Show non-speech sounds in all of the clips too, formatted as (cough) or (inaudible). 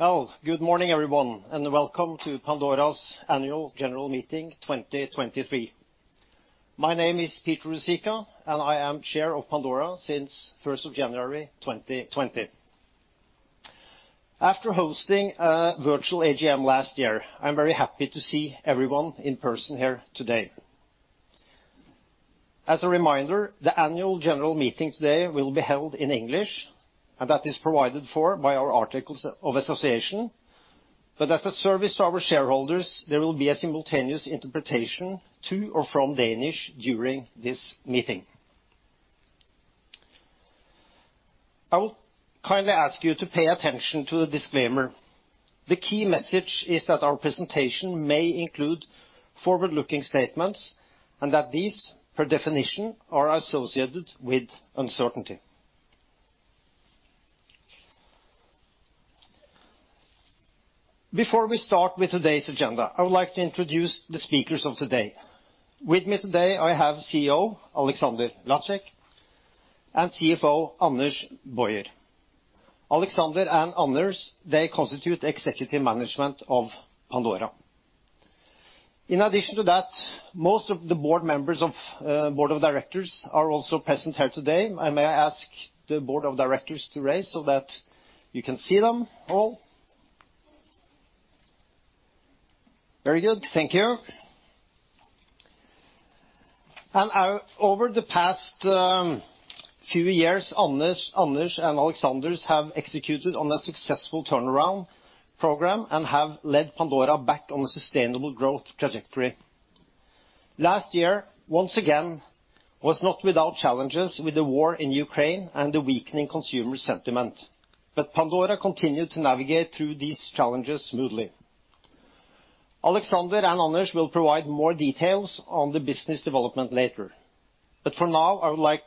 Well, good morning, everyone, welcome to Pandora's annual general meeting 2023. My name is Peter Ruzicka, and I am Chair of Pandora since first of January 2020. After hosting a virtual AGM last year, I'm very happy to see everyone in person here today. As a reminder, the annual general meeting today will be held in English, and that is provided for by our articles of association. As a service to our shareholders, there will be a simultaneous interpretation to or from Danish during this meeting. I will kindly ask you to pay attention to the disclaimer. The key message is that our presentation may include forward-looking statements, and that these, per definition, are associated with uncertainty. Before we start with today's agenda, I would like to introduce the speakers of today. With me today, I have CEO Alexander Lacik and CFO Anders Boyer. Alexander and Anders, they constitute executive management of Pandora. In addition to that, most of the board members of board of directors are also present here today. I may ask the board of directors to raise so that you can see them all. Very good. Thank you. Over the past few years, Anders and Alexander have executed on a successful turnaround program and have led Pandora back on a sustainable growth trajectory. Last year, once again, was not without challenges with the war in Ukraine and the weakening consumer sentiment. Pandora continued to navigate through these challenges smoothly. Alexander and Anders will provide more details on the business development later. For now, I would like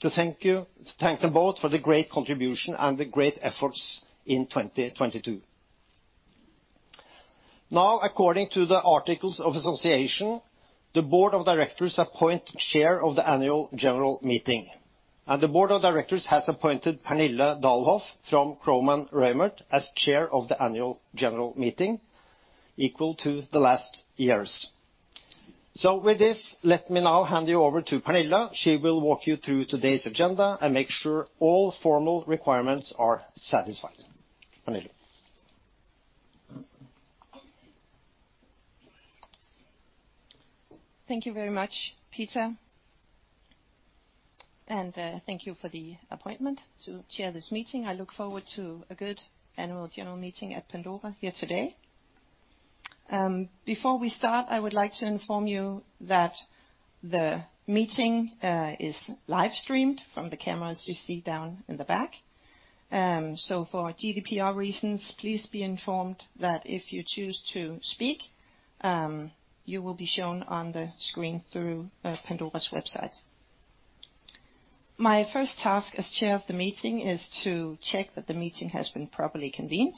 to thank them both for the great contribution and the great efforts in 2022. According to the articles of association, the board of directors appoint chair of the Annual General Meeting, and the board of directors has appointed Pernille Dalhoff from Kromann Reumert as chair of the Annual General Meeting, equal to the last years. With this, let me now hand you over to Pernille. She will walk you through today's agenda and make sure all formal requirements are satisfied. Pernille. Thank you very much, Peter, thank you for the appointment to chair this meeting. I look forward to a good annual general meeting at Pandora here today. Before we start, I would like to inform you that the meeting is live streamed from the cameras you see down in the back. For GDPR reasons, please be informed that if you choose to speak, you will be shown on the screen through Pandora's website. My first task as chair of the meeting is to check that the meeting has been properly convened.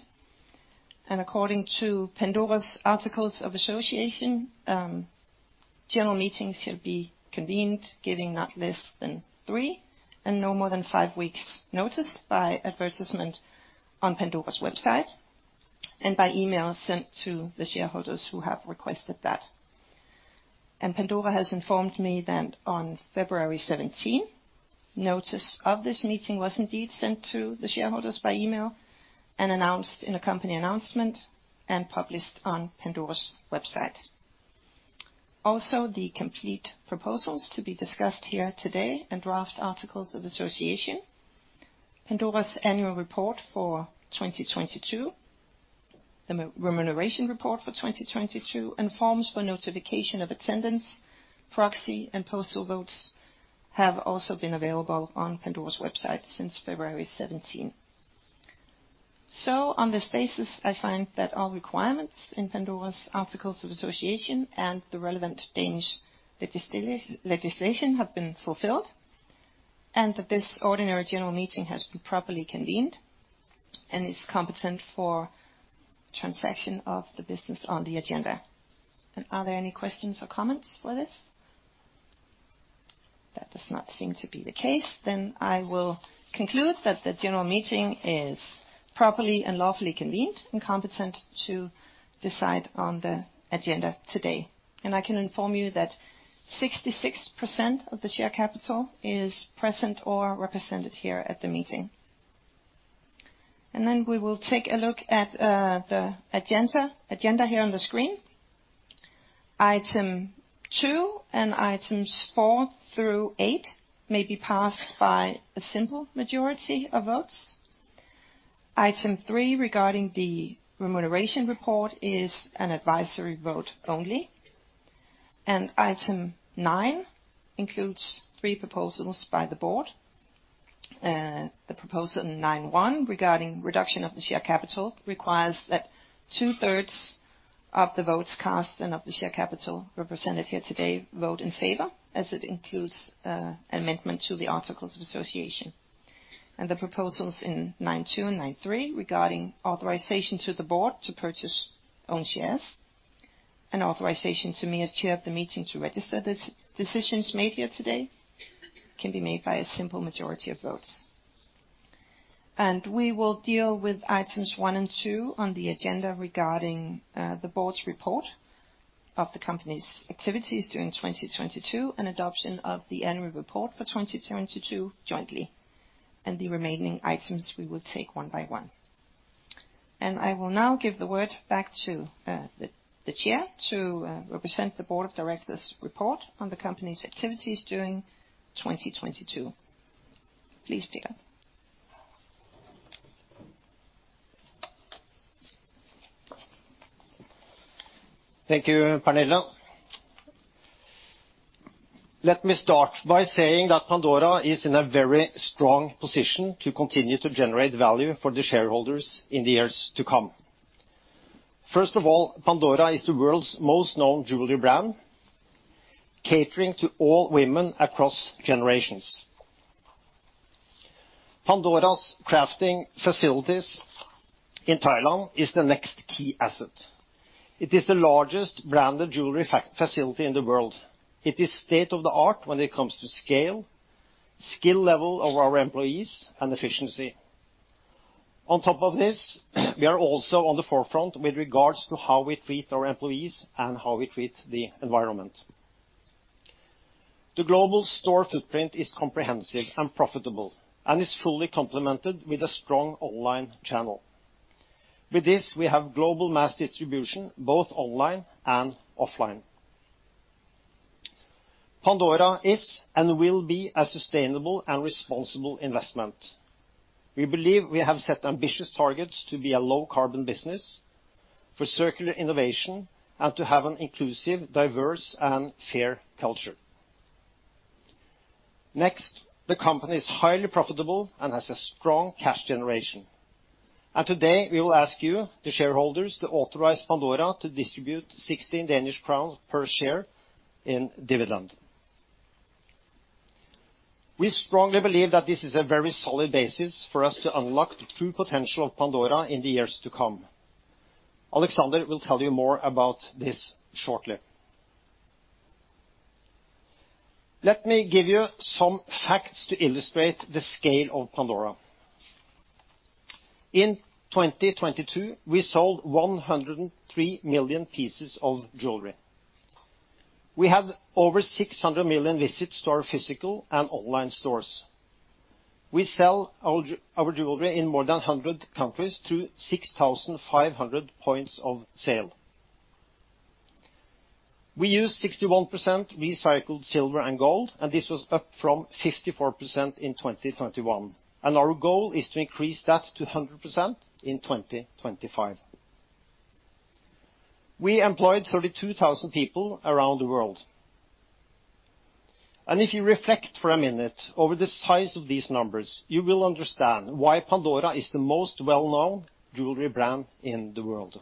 According to Pandora's articles of association, general meetings shall be convened giving not less than three and no more than five weeks notice by advertisement on Pandora's website and by email sent to the shareholders who have requested that. Pandora has informed me that on February 17, notice of this meeting was indeed sent to the shareholders by email and announced in a company announcement and published on Pandora's website. Also, the complete proposals to be discussed here today and draft articles of association, Pandora's annual report for 2022, the remuneration report for 2022, and forms for notification of attendance, proxy, and postal votes have also been available on Pandora's website since February 17. On this basis, I find that all requirements in Pandora's articles of association and the relevant Danish legislation have been fulfilled, and that this ordinary general meeting has been properly convened and is competent for transaction of the business on the agenda. Are there any questions or comments for this? That does not seem to be the case. I will conclude that the general meeting is properly and lawfully convened and competent to decide on the agenda today. I can inform you that 66% of the share capital is present or represented here at the meeting. We will take a look at the agenda here on the screen. Item two and items four through eight may be passed by a simple majority of votes. Item three, regarding the remuneration report, is an advisory vote only. Item nine includes three proposals by the board. The proposal 9.1, regarding reduction of the share capital, requires that 2/3 of the votes cast and of the share capital represented here today vote in favor, as it includes amendment to the articles of association. The proposals in 9.2 and 9.3, regarding authorization to the board to purchase own shares. An authorization to me as Chair of the meeting to register decisions made here today can be made by a simple majority of votes. We will deal with items one and two on the agenda regarding the board's report of the company's activities during 2022, and adoption of the annual report for 2022 jointly. The remaining items we will take one by one. I will now give the word back to the Chair to represent the Board of Directors' report on the company's activities during 2022. Please begin. Thank you, Pernille. Let me start by saying that Pandora is in a very strong position to continue to generate value for the shareholders in the years to come. First of all, Pandora is the world's most known jewelry brand, catering to all women across generations. Pandora's crafting facilities in Thailand is the next key asset. It is the largest branded jewelry facility in the world. It is state-of-the-art when it comes to scale, skill level of our employees, and efficiency. On top of this, we are also on the forefront with regards to how we treat our employees and how we treat the environment. The global store footprint is comprehensive and profitable, and is fully complemented with a strong online channel. With this, we have global mass distribution, both online and offline. Pandora is and will be a sustainable and responsible investment. We believe we have set ambitious targets to be a low carbon business for circular innovation and to have an inclusive, diverse, and fair culture. The company is highly profitable and has a strong cash generation. Today, we will ask you, the shareholders, to authorize Pandora to distribute 16 Danish crowns per share in dividend. We strongly believe that this is a very solid basis for us to unlock the true potential of Pandora in the years to come. Alexander will tell you more about this shortly. Let me give you some facts to illustrate the scale of Pandora. In 2022, we sold 103 million pieces of jewelry. We had over 600 million visits to our physical and online stores. We sell our jewelry in more than 100 countries through 6,500 points of sale. We use 61% recycled silver and gold. This was up from 54% in 2021, and our goal is to increase that to 100% in 2025. We employed 32,000 people around the world. If you reflect for a minute over the size of these numbers, you will understand why Pandora is the most well-known jewelry brand in the world.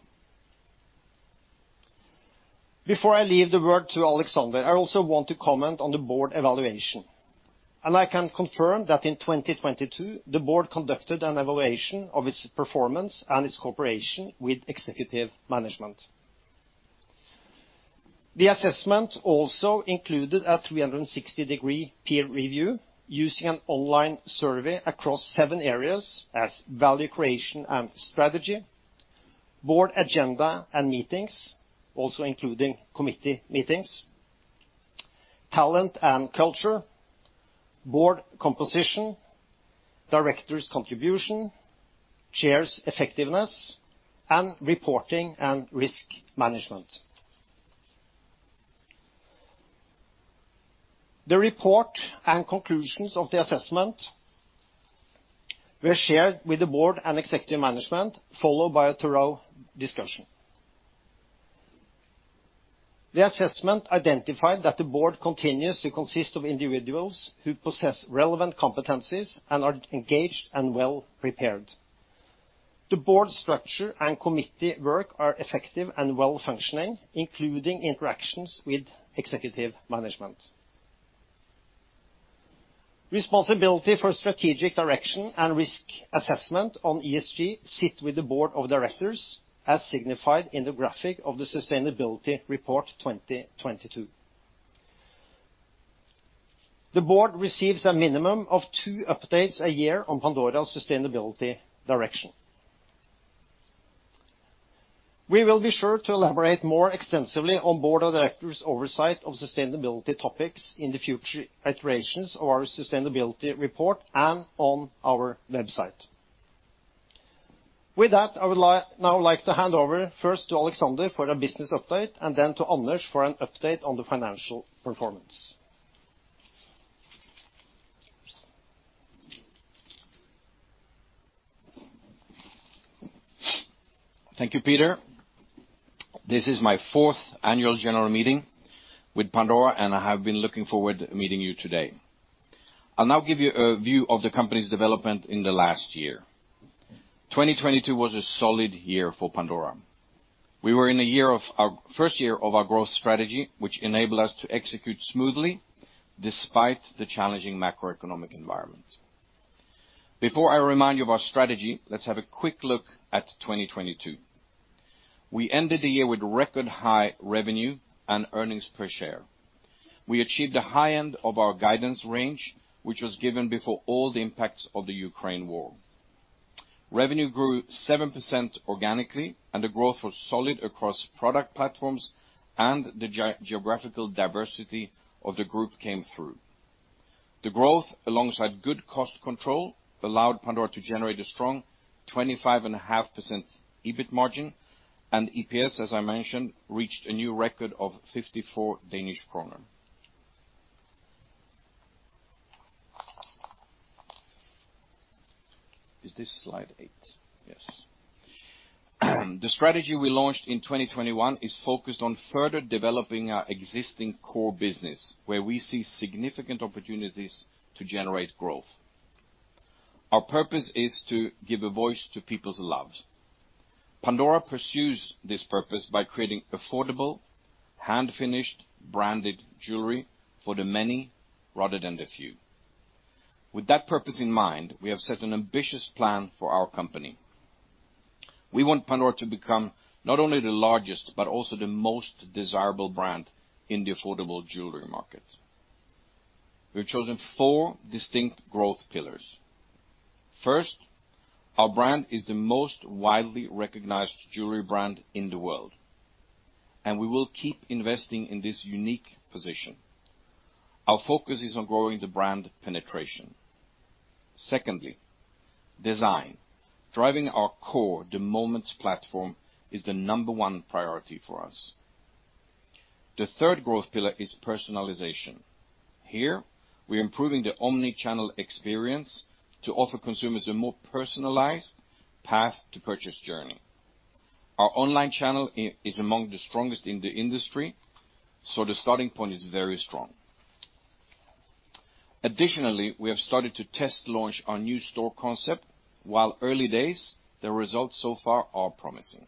Before I leave the word to Alexander, I also want to comment on the board evaluation. I can confirm that in 2022, the board conducted an evaluation of its performance and its cooperation with executive management. The assessment also included a 360-degree peer review using an online survey across seven areas as value creation and strategy, board agenda and meetings, also including committee meetings, talent and culture, board composition, directors' contribution, Chair's effectiveness, and reporting and risk management. The report and conclusions of the assessment were shared with the board and executive management, followed by a thorough discussion. The assessment identified that the board continues to consist of individuals who possess relevant competencies and are engaged and well-prepared. The board structure and committee work are effective and well-functioning, including interactions with executive management. Responsibility for strategic direction and risk assessment on ESG sit with the Board of Directors, as signified in the graphic of the Sustainability Report 2022. The board receives a minimum of two updates a year on Pandora's sustainability direction. We will be sure to elaborate more extensively on Board of Directors' oversight of sustainability topics in the future iterations of our sustainability report and on our website. With that, I would now like to hand over first to Alexander for a business update and then to Anders for an update on the financial performance. Thank you, Peter. This is my fourth annual general meeting with Pandora, and I have been looking forward to meeting you today. I'll now give you a view of the company's development in the last year. 2022 was a solid year for Pandora. We were in a first year of our growth strategy, which enabled us to execute smoothly despite the challenging macroeconomic environment. Before I remind you of our strategy, let's have a quick look at 2022. We ended the year with record high revenue and earnings per share. We achieved the high end of our guidance range, which was given before all the impacts of the Ukraine war. Revenue grew 7% organically, and the growth was solid across product platforms, and the geographical diversity of the group came through. The growth, alongside good cost control, allowed Pandora to generate a strong 25.5% EBIT margin, and EPS, as I mentioned, reached a new record of 54 Danish kroner. Is this slide eight? Yes. The strategy we launched in 2021 is focused on further developing our existing core business, where we see significant opportunities to generate growth. Our purpose is to give a voice to people's loves. Pandora pursues this purpose by creating affordable, hand-finished branded jewelry for the many rather than the few. With that purpose in mind, we have set an ambitious plan for our company. We want Pandora to become not only the largest, but also the most desirable brand in the affordable jewelry market. We have chosen four distinct growth pillars. First, our brand is the most widely recognized jewelry brand in the world. We will keep investing in this unique position. Our focus is on growing the brand penetration. Secondly, design. Driving our core, the Moments platform, is the number one priority for us. The third growth pillar is personalization. Here, we're improving the omni-channel experience to offer consumers a more personalized path to purchase journey. Our online channel is among the strongest in the industry. The starting point is very strong. Additionally, we have started to test launch our new store concept. While early days, the results so far are promising.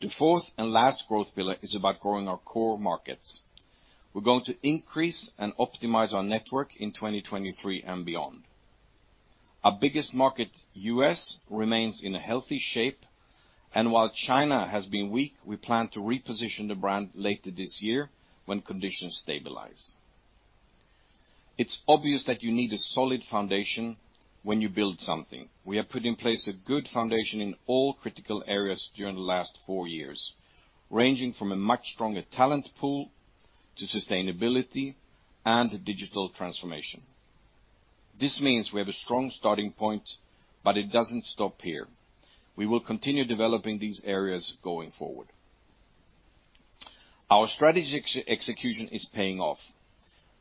The fourth and last growth pillar is about growing our core markets. We're going to increase and optimize our network in 2023 and beyond. Our biggest market, U.S., remains in a healthy shape, and while China has been weak, we plan to reposition the brand later this year when conditions stabilize. It's obvious that you need a solid foundation when you build something. We have put in place a good foundation in all critical areas during the last four years, ranging from a much stronger talent pool to sustainability and digital transformation. This means we have a strong starting point, but it doesn't stop here. We will continue developing these areas going forward. Our strategy execution is paying off,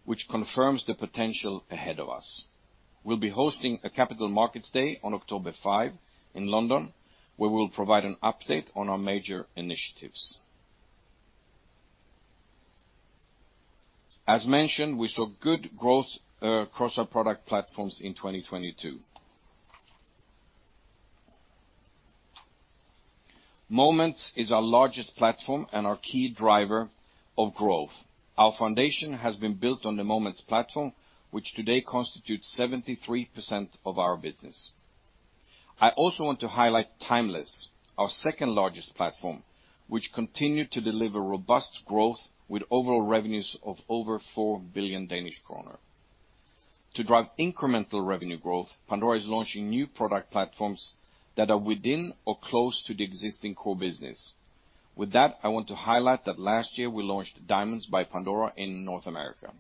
which confirms the potential ahead of us. We'll be hosting a Capital Markets Day on October 5 in London, where we'll provide an update on our major initiatives. As mentioned, we saw good growth across our product platforms in 2022. Moments is our largest platform and our key driver of growth. Our foundation has been built on the Moments platform, which today constitutes 73% of our business. I also want to highlight Timeless, our second-largest platform, which continued to deliver robust growth with overall revenues of over 4 billion Danish kroner. To drive incremental revenue growth, Pandora is launching new product platforms that are within or close to the existing core business. With that, I want to highlight that last year, we launched Diamonds by Pandora in North America.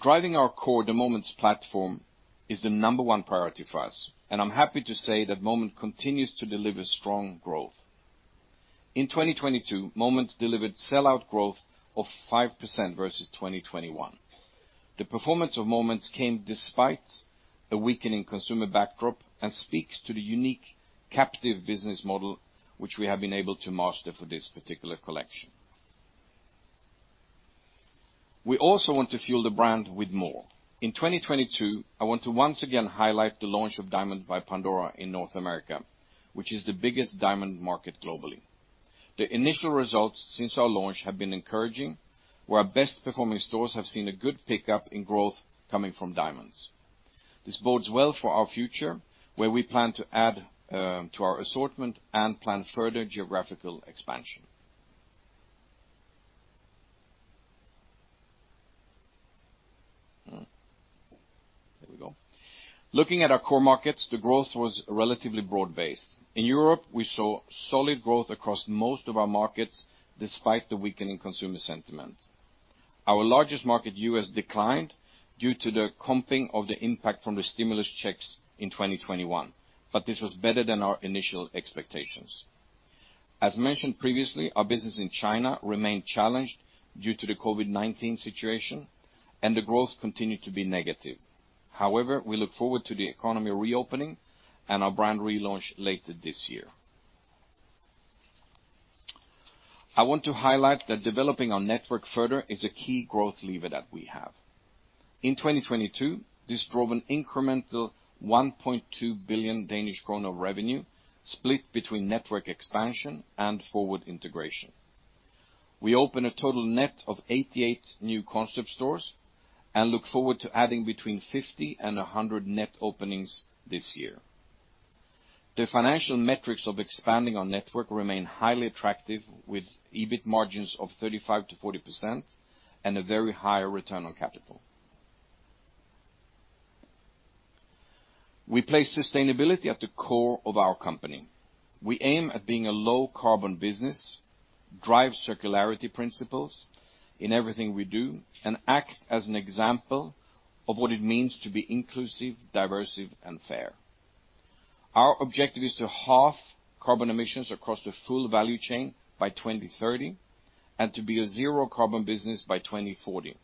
Driving our core, the Moments platform, is the number one priority for us, and I'm happy to say that Moments continues to deliver strong growth. In 2022, Moments delivered sell-out growth of 5% versus 2021. The performance of Moments came despite a weakening consumer backdrop and speaks to the unique captive business model which we have been able to master for this particular collection. We also want to fuel the brand with more. In 2022, I want to once again highlight the launch of Diamonds by Pandora in North America, which is the biggest diamond market globally. The initial results since our launch have been encouraging, where our best-performing stores have seen a good pickup in growth coming from diamonds. This bodes well for our future, where we plan to add to our assortment and plan further geographical expansion. There we go. Looking at our core markets, the growth was relatively broad-based. In Europe, we saw solid growth across most of our markets despite the weakening consumer sentiment. Our largest market, U.S., declined due to the comping of the impact from the stimulus checks in 2021, but this was better than our initial expectations. As mentioned previously, our business in China remained challenged due to the COVID-19 situation, and the growth continued to be negative. However, we look forward to the economy reopening and our brand relaunch later this year. I want to highlight that developing our network further is a key growth lever that we have. In 2022, this drove an incremental 1.2 billion Danish krone revenue split between network expansion and forward integration. We open a total net of 88 new concept stores and look forward to adding between 50 and 100 net openings this year. The financial metrics of expanding our network remain highly attractive, with EBIT margins of 35%-40% and a very high return on capital. We place sustainability at the core of our company. We aim at being a low carbon business, drive circularity principles in everything we do, and act as an example of what it means to be inclusive, diverse, and fair. Our objective is to halve carbon emissions across the full value chain by 2030, and to be a zero carbon business by 2040.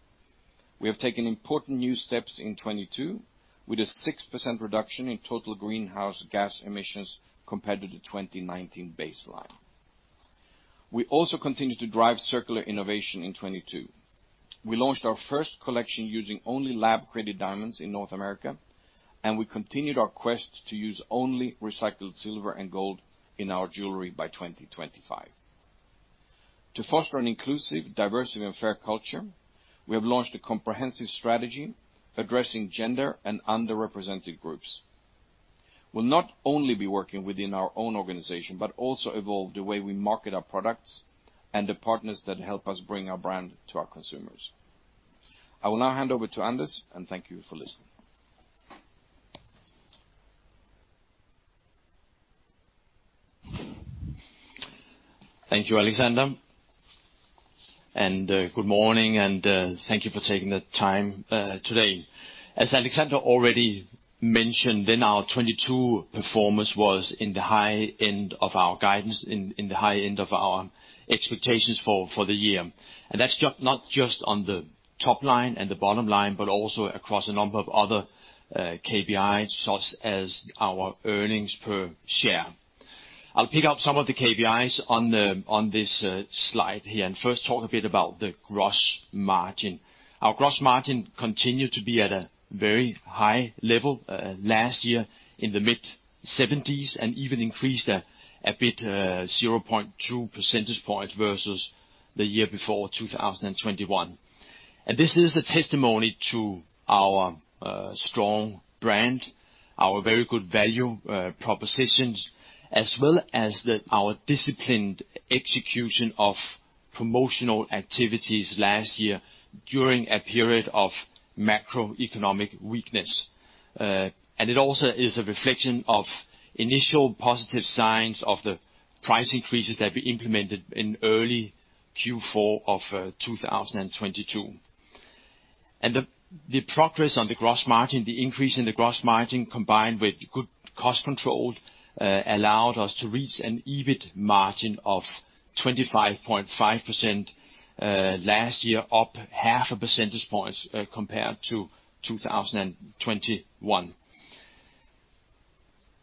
We have taken important new steps in 2022, with a 6% reduction in total greenhouse gas emissions compared to the 2019 baseline. We continue to drive circular innovation in 2022. We launched our first collection using only lab-created diamonds in North America, and we continued our quest to use only recycled silver and gold in our jewelry by 2025. To foster an inclusive, diverse, and fair culture, we have launched a comprehensive strategy addressing gender and underrepresented groups. We'll not only be working within our own organization, but also evolve the way we market our products and the partners that help us bring our brand to our consumers. I will now hand over to Anders, and thank you for listening. Thank you, Alexander. Good morning, and thank you for taking the time today. As Alexander already mentioned, our 2022 performance was in the high end of our guidance, in the high end of our expectations for the year. That's not just on the top line and the bottom line, but also across a number of other KPIs, such as our earnings per share. I'll pick out some of the KPIs on this slide here, and first talk a bit about the gross margin. Our gross margin continued to be at a very high level last year in the mid-70s, and even increased a bit, 0.2 percentage points versus the year before, 2021. This is a testimony to our strong brand, our very good value propositions, as well as the, our disciplined execution of promotional activities last year during a period of macroeconomic weakness. It also is a reflection of initial positive signs of the price increases that we implemented in early Q4 of 2022. The, the progress on the gross margin, the increase in the gross margin, combined with good cost control, allowed us to reach an EBIT margin of 25.5%, last year, up half a percentage points, compared to 2021.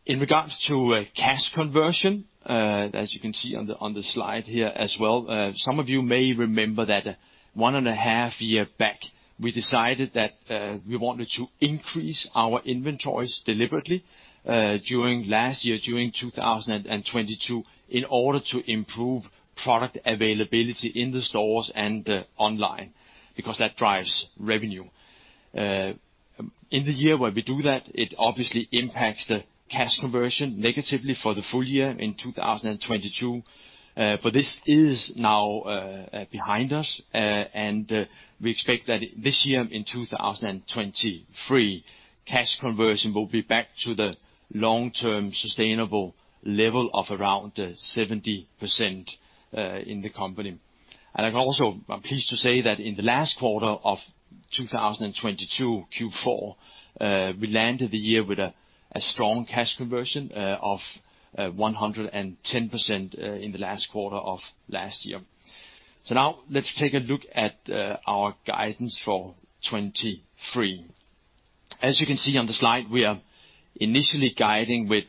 In regards to cash conversion, as you can see on the, on the slide here as well, some of you may remember that one and a half year back, we decided that we wanted to increase our inventories deliberately during last year, during 2022, in order to improve product availability in the stores and online, because that drives revenue. In the year where we do that, it obviously impacts the cash conversion negatively for the full year in 2022, but this is now behind us, and we expect that this year, in 2023, cash conversion will be back to the long-term sustainable level of around 70% in the company. I can also, I'm pleased to say that in the last quarter of 2022, Q4, we landed the year with a strong cash conversion of 110% in the last quarter of last year. Now let's take a look at our guidance for 2023. As you can see on the slide, we are initially guiding with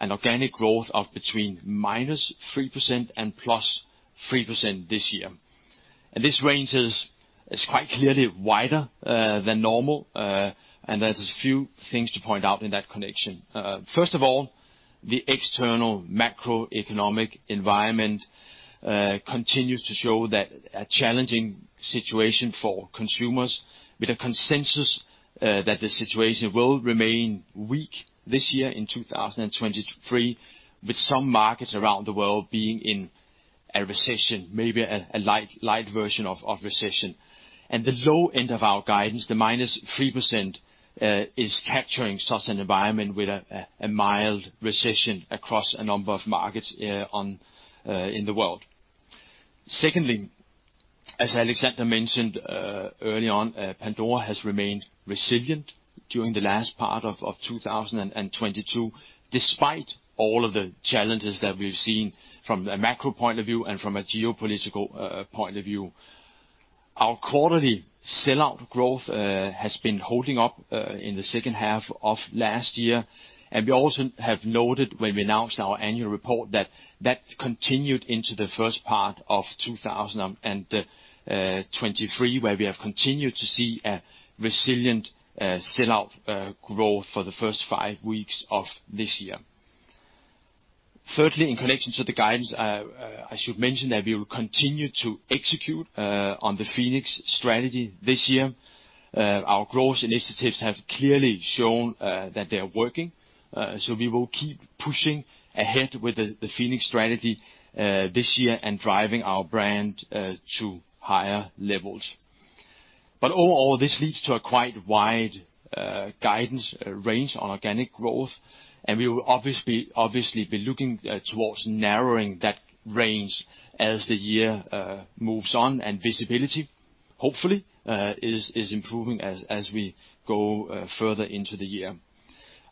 an organic growth of between -3% and +3% this year. This range is quite clearly wider than normal, and there's a few things to point out in that connection. First of all, the external macroeconomic environment continues to show that a challenging situation for consumers, with a consensus that the situation will remain weak this year in 2023, with some markets around the world being in a recession, maybe a light version of recession. The low end of our guidance, the -3%, is capturing such an environment with a mild recession across a number of markets, on, in the world. Secondly, as Alexander mentioned, early on, Pandora has remained resilient during the last part of 2022, despite all of the challenges that we've seen from a macro point of view and from a geopolitical point of view. Our quarterly sell out growth has been holding up in the second half of last year. We also have noted when we announced our annual report that continued into the first part of 2023, where we have continued to see a resilient sell out growth for the first five weeks of this year. Thirdly, in connection to the guidance, I should mention that we will continue to execute on the Phoenix strategy this year. Our growth initiatives have clearly shown that they are working, so we will keep pushing ahead with the Phoenix strategy this year and driving our brand to higher levels. Overall, this leads to a quite wide guidance range on organic growth, and we will obviously be looking towards narrowing that range as the year moves on and visibility, hopefully, is improving as we go further into the year.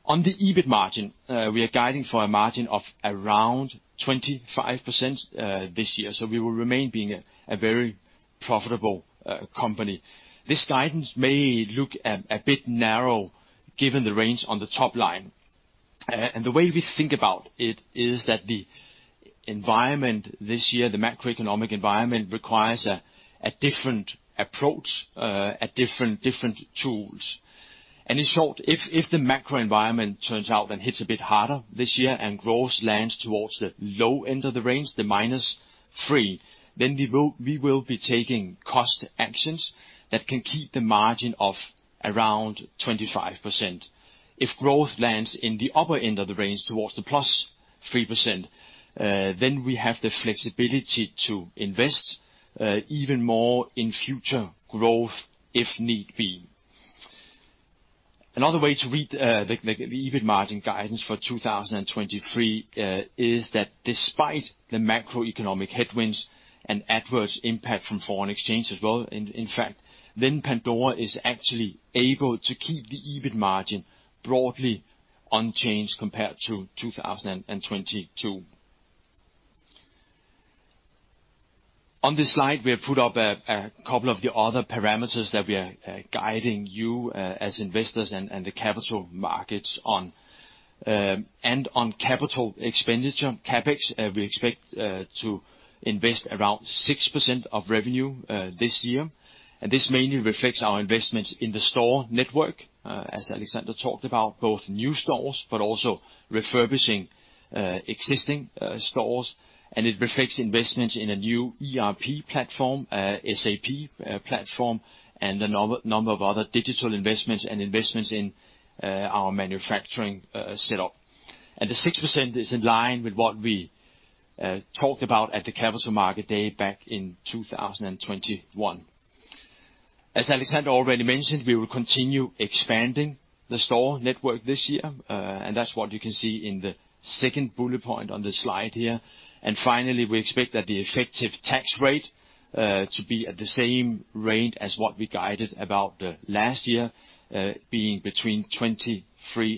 On the EBIT margin, we are guiding for a margin of around 25% this year, so we will remain being a very profitable company. This guidance may look a bit narrow given the range on the top line. The way we think about it is that the environment this year, the macroeconomic environment, requires a different approach at different tools. In short, if the macro environment turns out and hits a bit harder this year and growth lands towards the low end of the range, the -3%, then we will be taking cost actions that can keep the margin of around 25%. If growth lands in the upper end of the range towards the +3%, then we have the flexibility to invest even more in future growth if need be. Another way to read the EBIT margin guidance for 2023 is that despite the macroeconomic headwinds and adverse impact from foreign exchange as well, in fact, then Pandora is actually able to keep the EBIT margin broadly unchanged compared to 2022. On this slide, we have put up a couple of the other parameters that we are guiding you as investors and the capital markets on. On capital expenditure, CapEx, we expect to invest around 6% of revenue this year, and this mainly reflects our investments in the store network, as Alexander talked about, both new stores but also refurbishing existing stores. It reflects investments in a new ERP platform, SAP platform, and a number of other digital investments and investments in our manufacturing setup. The 6% is in line with what we talked about at the Capital Markets Day back in 2021. As Alexander already mentioned, we will continue expanding the store network this year, that's what you can see in the second bullet point on this slide here. Finally, we expect that the effective tax rate to be at the same rate as what we guided about last year, being between 23%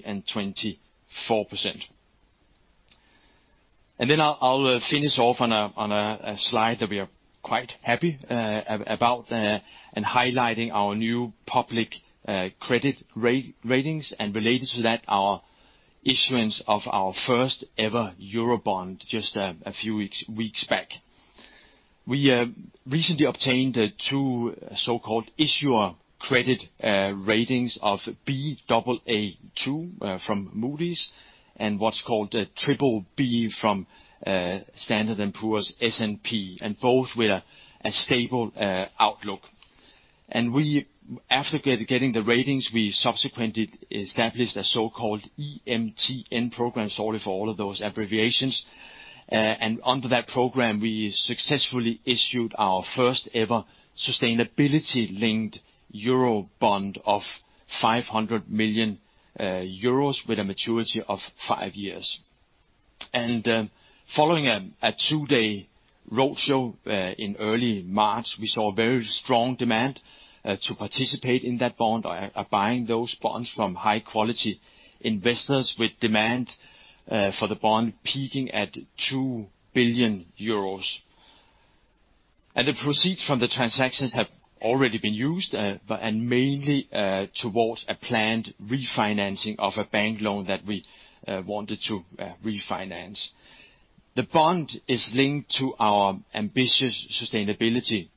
and 24%. Then I'll finish off on a slide that we are quite happy about, and highlighting our new public credit ratings, and related to that, our issuance of our first ever Euro bond just a few weeks back. We recently obtained two so-called issuer credit ratings of Baa2 from Moody's and what's called a BBB from Standard and Poor's (S&P), and both with a stable outlook. We, after getting the ratings, we subsequently established a so-called EMTN program, sorry for all of those abbreviations. Under that program, we successfully issued our first ever sustainability-linked Euro bond of 500 million euros with a maturity of five years. Following a two-day roadshow in early March, we saw a very strong demand to participate in that bond, buying those bonds from high quality investors with demand for the bond peaking at 2 billion euros. The proceeds from the transactions have already been used, but and mainly towards a planned refinancing of a bank loan that we wanted to refinance. The bond is linked to our ambitious sustainability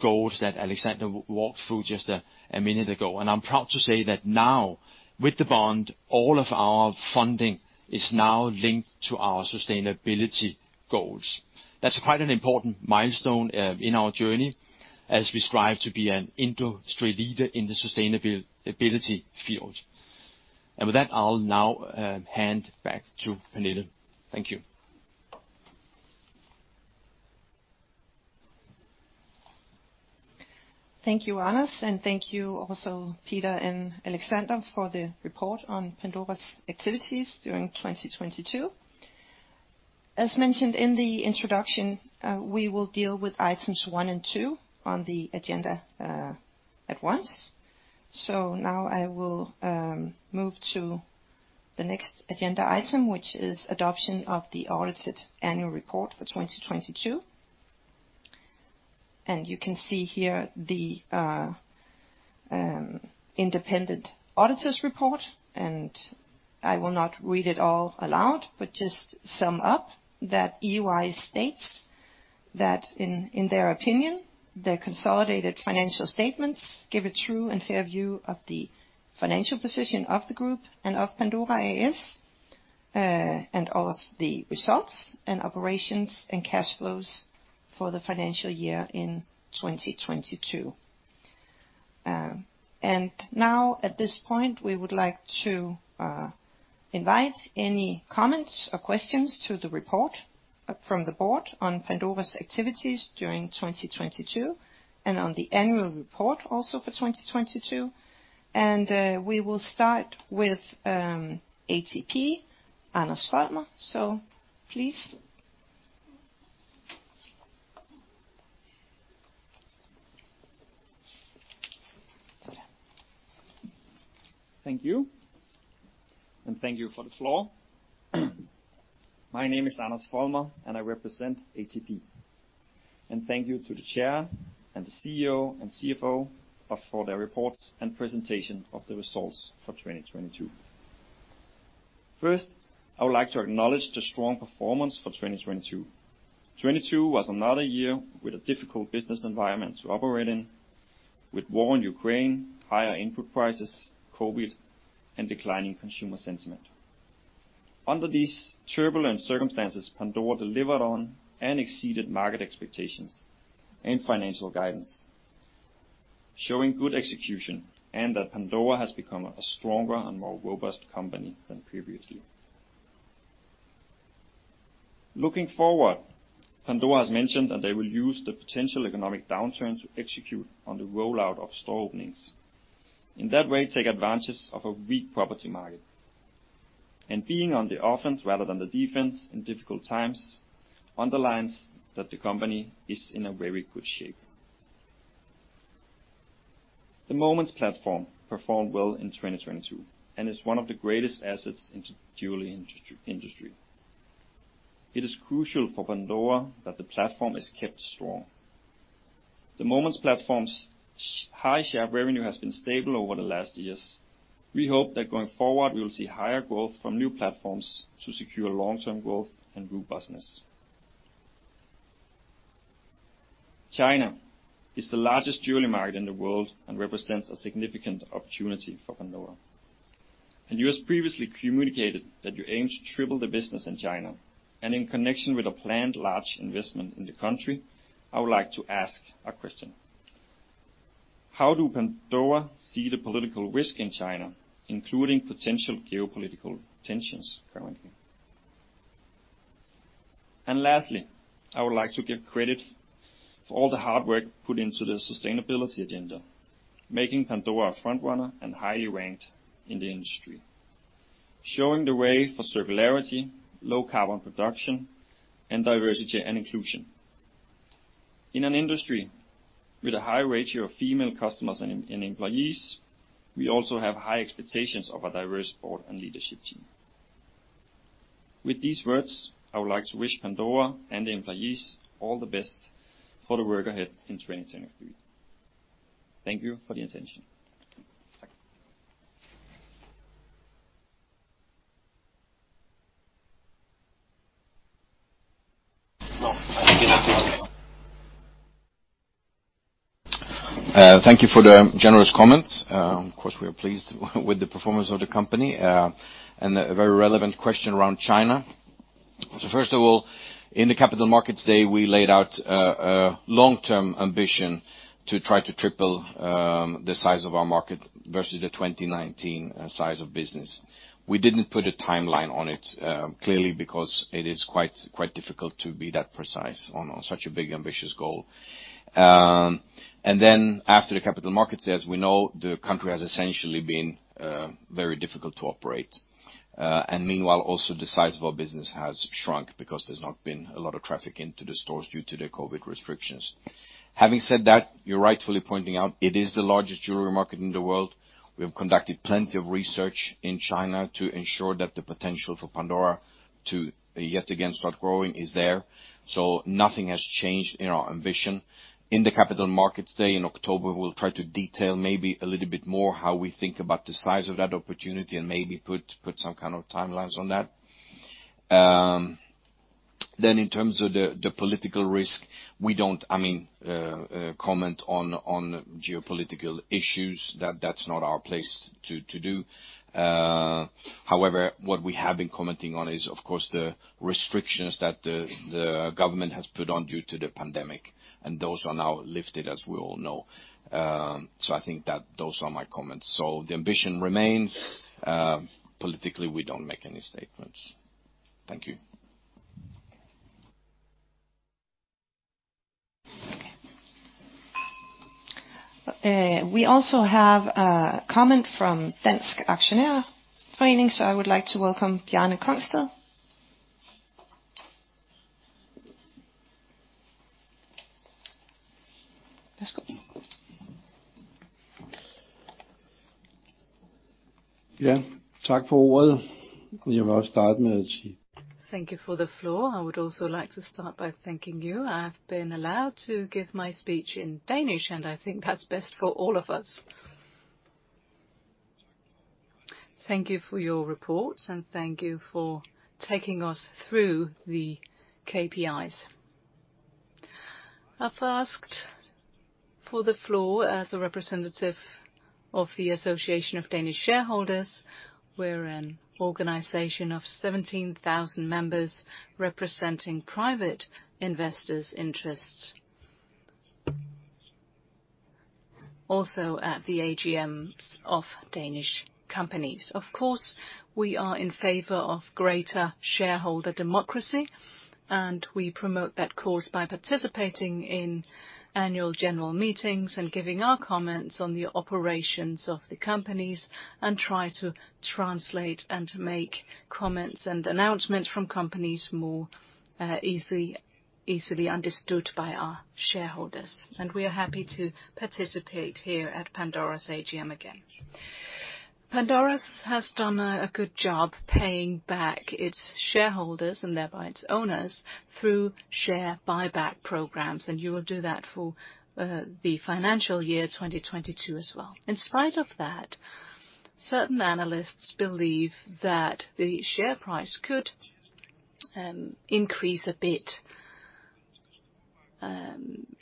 goals that Alexander walked through just a minute ago. I'm proud to say that now, with the bond, all of our funding is now linked to our sustainability goals. That's quite an important milestone in our journey as we strive to be an industry leader in the sustainability field. With that, I'll now hand back to Pernille. Thank you. Thank you, Anders, and thank you also Peter and Alexander for the report on Pandora's activities during 2022. As mentioned in the introduction, we will deal with items one and two on the agenda at once. Now I will move to the next agenda item, which is adoption of the audited annual report for 2022. You can see here the independent auditor's report, and I will not read it all aloud, but just sum up that EY states that in their opinion, the consolidated financial statements give a true and fair view of the financial position of the group and of Pandora A/S, and of the results and operations and cash flows for the financial year in 2022. Now at this point, we would like to invite any comments or questions to the report from the board on Pandora's activities during 2022 and on the annual report also for 2022. We will start with ATP, Anders Folmer. Please. Thank you. Thank you for the floor. My name is Anders Folmer, and I represent ATP. Thank you to the Chair and the CEO and CFO for their reports and presentation of the results for 2022. First, I would like to acknowledge the strong performance for 2022. 2022 was another year with a difficult business environment to operate in with war in Ukraine, higher input prices, COVID, and declining consumer sentiment. Under these turbulent circumstances, Pandora delivered on and exceeded market expectations and financial guidance, showing good execution and that Pandora has become a stronger and more robust company than previously. Looking forward, Pandora has mentioned that they will use the potential economic downturn to execute on the rollout of store openings. In that way, take advantage of a weak property market. Being on the offense rather than the defense in difficult times underlines that the company is in a very good shape. The Moments platform performed well in 2022 and is one of the greatest assets in jewelry industry. It is crucial for Pandora that the platform is kept strong. The Moments platform's high share of revenue has been stable over the last years. We hope that going forward, we will see higher growth from new platforms to secure long-term growth and robustness. China is the largest jewelry market in the world and represents a significant opportunity for Pandora. You have previously communicated that you aim to triple the business in China, and in connection with a planned large investment in the country, I would like to ask a question. How do Pandora see the political risk in China, including potential geopolitical tensions currently? Lastly, I would like to give credit for all the hard work put into the sustainability agenda, making Pandora a front runner and highly ranked in the industry, showing the way for circularity, low carbon production, and diversity and inclusion. In an industry with a high ratio of female customers and employees, we also have high expectations of a diverse board and leadership team. With these words, I would like to wish Pandora and the employees all the best for the work ahead in 2023. Thank you for the attention. Thank you for the generous comments. Of course, we are pleased with the performance of the company and a very relevant question around China. First of all, in the Capital Markets Day, we laid out a long-term ambition to try to triple the size of our market versus the 2019 size of business. We didn't put a timeline on it, clearly because it is quite difficult to be that precise on such a big, ambitious goal. After the Capital Markets Days, we know the country has essentially been very difficult to operate. Meanwhile, also the size of our business has shrunk because there's not been a lot of traffic into the stores due to the COVID restrictions. Having said that, you're rightfully pointing out it is the largest jewelry market in the world. We have conducted plenty of research in China to ensure that the potential for Pandora to, yet again, start growing is there. Nothing has changed in our ambition. In the Capital Markets Day in October, we'll try to detail maybe a little bit more how we think about the size of that opportunity and maybe put some kind of timelines on that. Then in terms of the political risk, we don't, I mean, comment on geopolitical issues. That's not our place to do. However, what we have been commenting on is, of course, the restrictions that the government has put on due to the pandemic, and those are now lifted, as we all know. I think that those are my comments. The ambition remains. Politically, we don't make any statements. Thank you. Okay. We also have a comment from Dansk Aktionærforening. I would like to welcome Bjarne Kongstad. Thank you for the floor. I would also like to start by thanking you. I've been allowed to give my speech in Danish, and I think that's best for all of us. Thank you for your report, and thank you for taking us through the KPIs. I've asked for the floor as a representative of the Association of Danish Shareholders. We're an organization of 17,000 members representing private investors' interests also at the AGMs of Danish companies. Of course, we are in favor of greater shareholder democracy, and we promote that cause by participating in annual general meetings and giving our comments on the operations of the companies and try to translate and make comments and announcements from companies more easily understood by our shareholders. We are happy to participate here at Pandora's AGM again. Pandora has done a good job paying back its shareholders, and thereby its owners, through share buyback programs. You will do that for the financial year 2022 as well. In spite of that, certain analysts believe that the share price could increase a bit.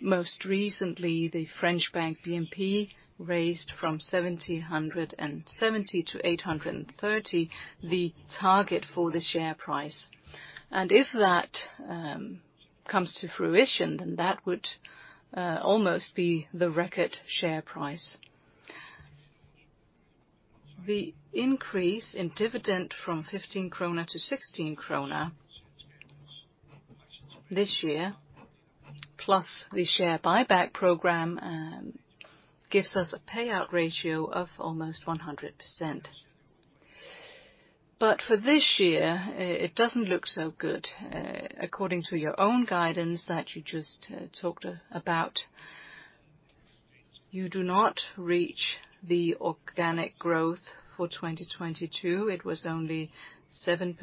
Most recently, the French bank BNP raised from 770 to 830 the target for the share price. If that comes to fruition, that would almost be the record share price. The increase in dividend from 15 krone to 16 krone this year, plus the share buyback program, gives us a payout ratio of almost 100%. For this year, it doesn't look so good. According to your own guidance that you just talked about, you do not reach the organic growth for 2022. It was only 7%.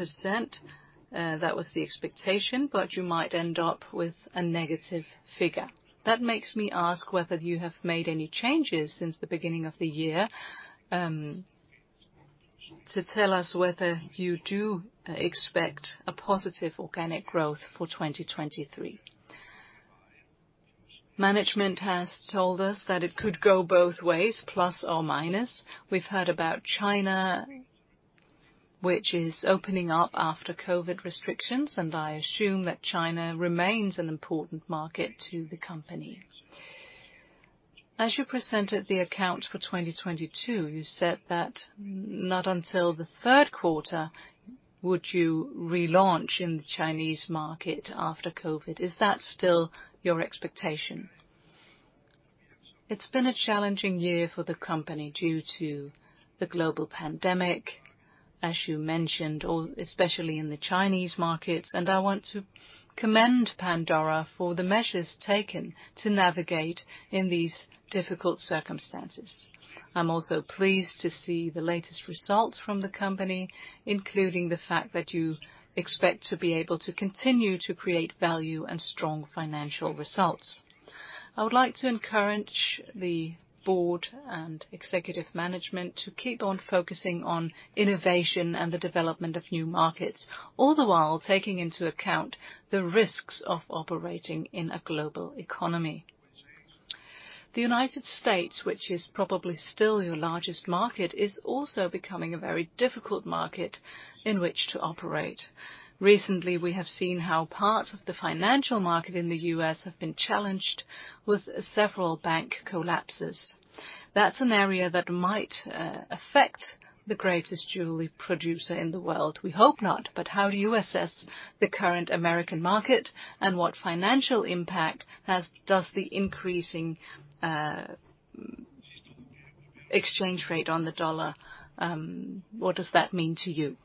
That was the expectation, but you might end up with a negative figure. That makes me ask whether you have made any changes since the beginning of the year, to tell us whether you do expect a positive organic growth for 2023. Management has told us that it could go both ways, plus or minus. We've heard about China, which is opening up after COVID restrictions, and I assume that China remains an important market to the company. As you presented the account for 2022, you said that not until the third quarter would you relaunch in the Chinese market after COVID. Is that still your expectation? It's been a challenging year for the company due to the global pandemic, as you mentioned, or especially in the Chinese market, and I want to commend Pandora for the measures taken to navigate in these difficult circumstances. I'm also pleased to see the latest results from the company, including the fact that you expect to be able to continue to create value and strong financial results. I would like to encourage the board and executive management to keep on focusing on innovation and the development of new markets, all the while taking into account the risks of operating in a global economy. The United States, which is probably still your largest market, is also becoming a very difficult market in which to operate. Recently, we have seen how parts of the financial market in the U.S. have been challenged with several bank collapses. That's an area that might affect the greatest jewelry producer in the world. We hope not, but how do you assess the current American market, and what financial impact does the increasing exchange rate on the U.S. dollar, what does that mean to you?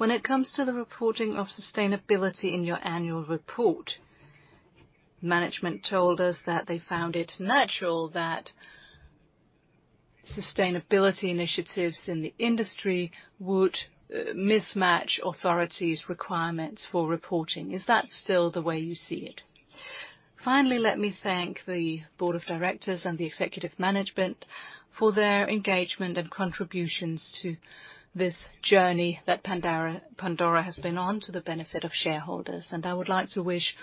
When it comes to the reporting of sustainability in your annual report, management told us that they found it natural that sustainability initiatives in the industry would mismatch authorities' requirements for reporting. Is that still the way you see it? Finally, let me thank the board of directors and the executive management for their engagement and contributions to this journey that Pandora has been on to the benefit of shareholders, and I would like to wish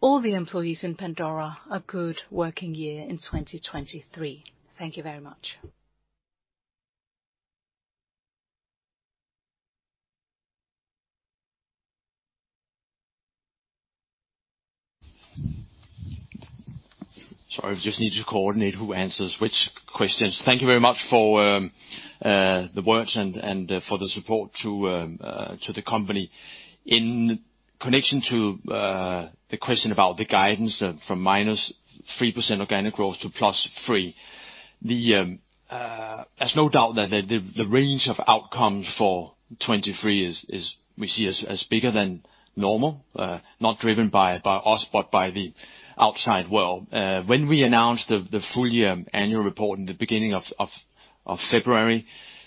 all the employees in Pandora a good working year in 2023. Thank you very much. Sorry, we just need to coordinate who answers which questions. Thank you very much for the words and for the support to the company. In connection to the question about the guidance from -3% organic growth to +3%, there's no doubt that the range of outcomes for 2023 is we see as bigger than normal, not driven by us but by the outside world. When we announced the full year annual report in the beginning of February,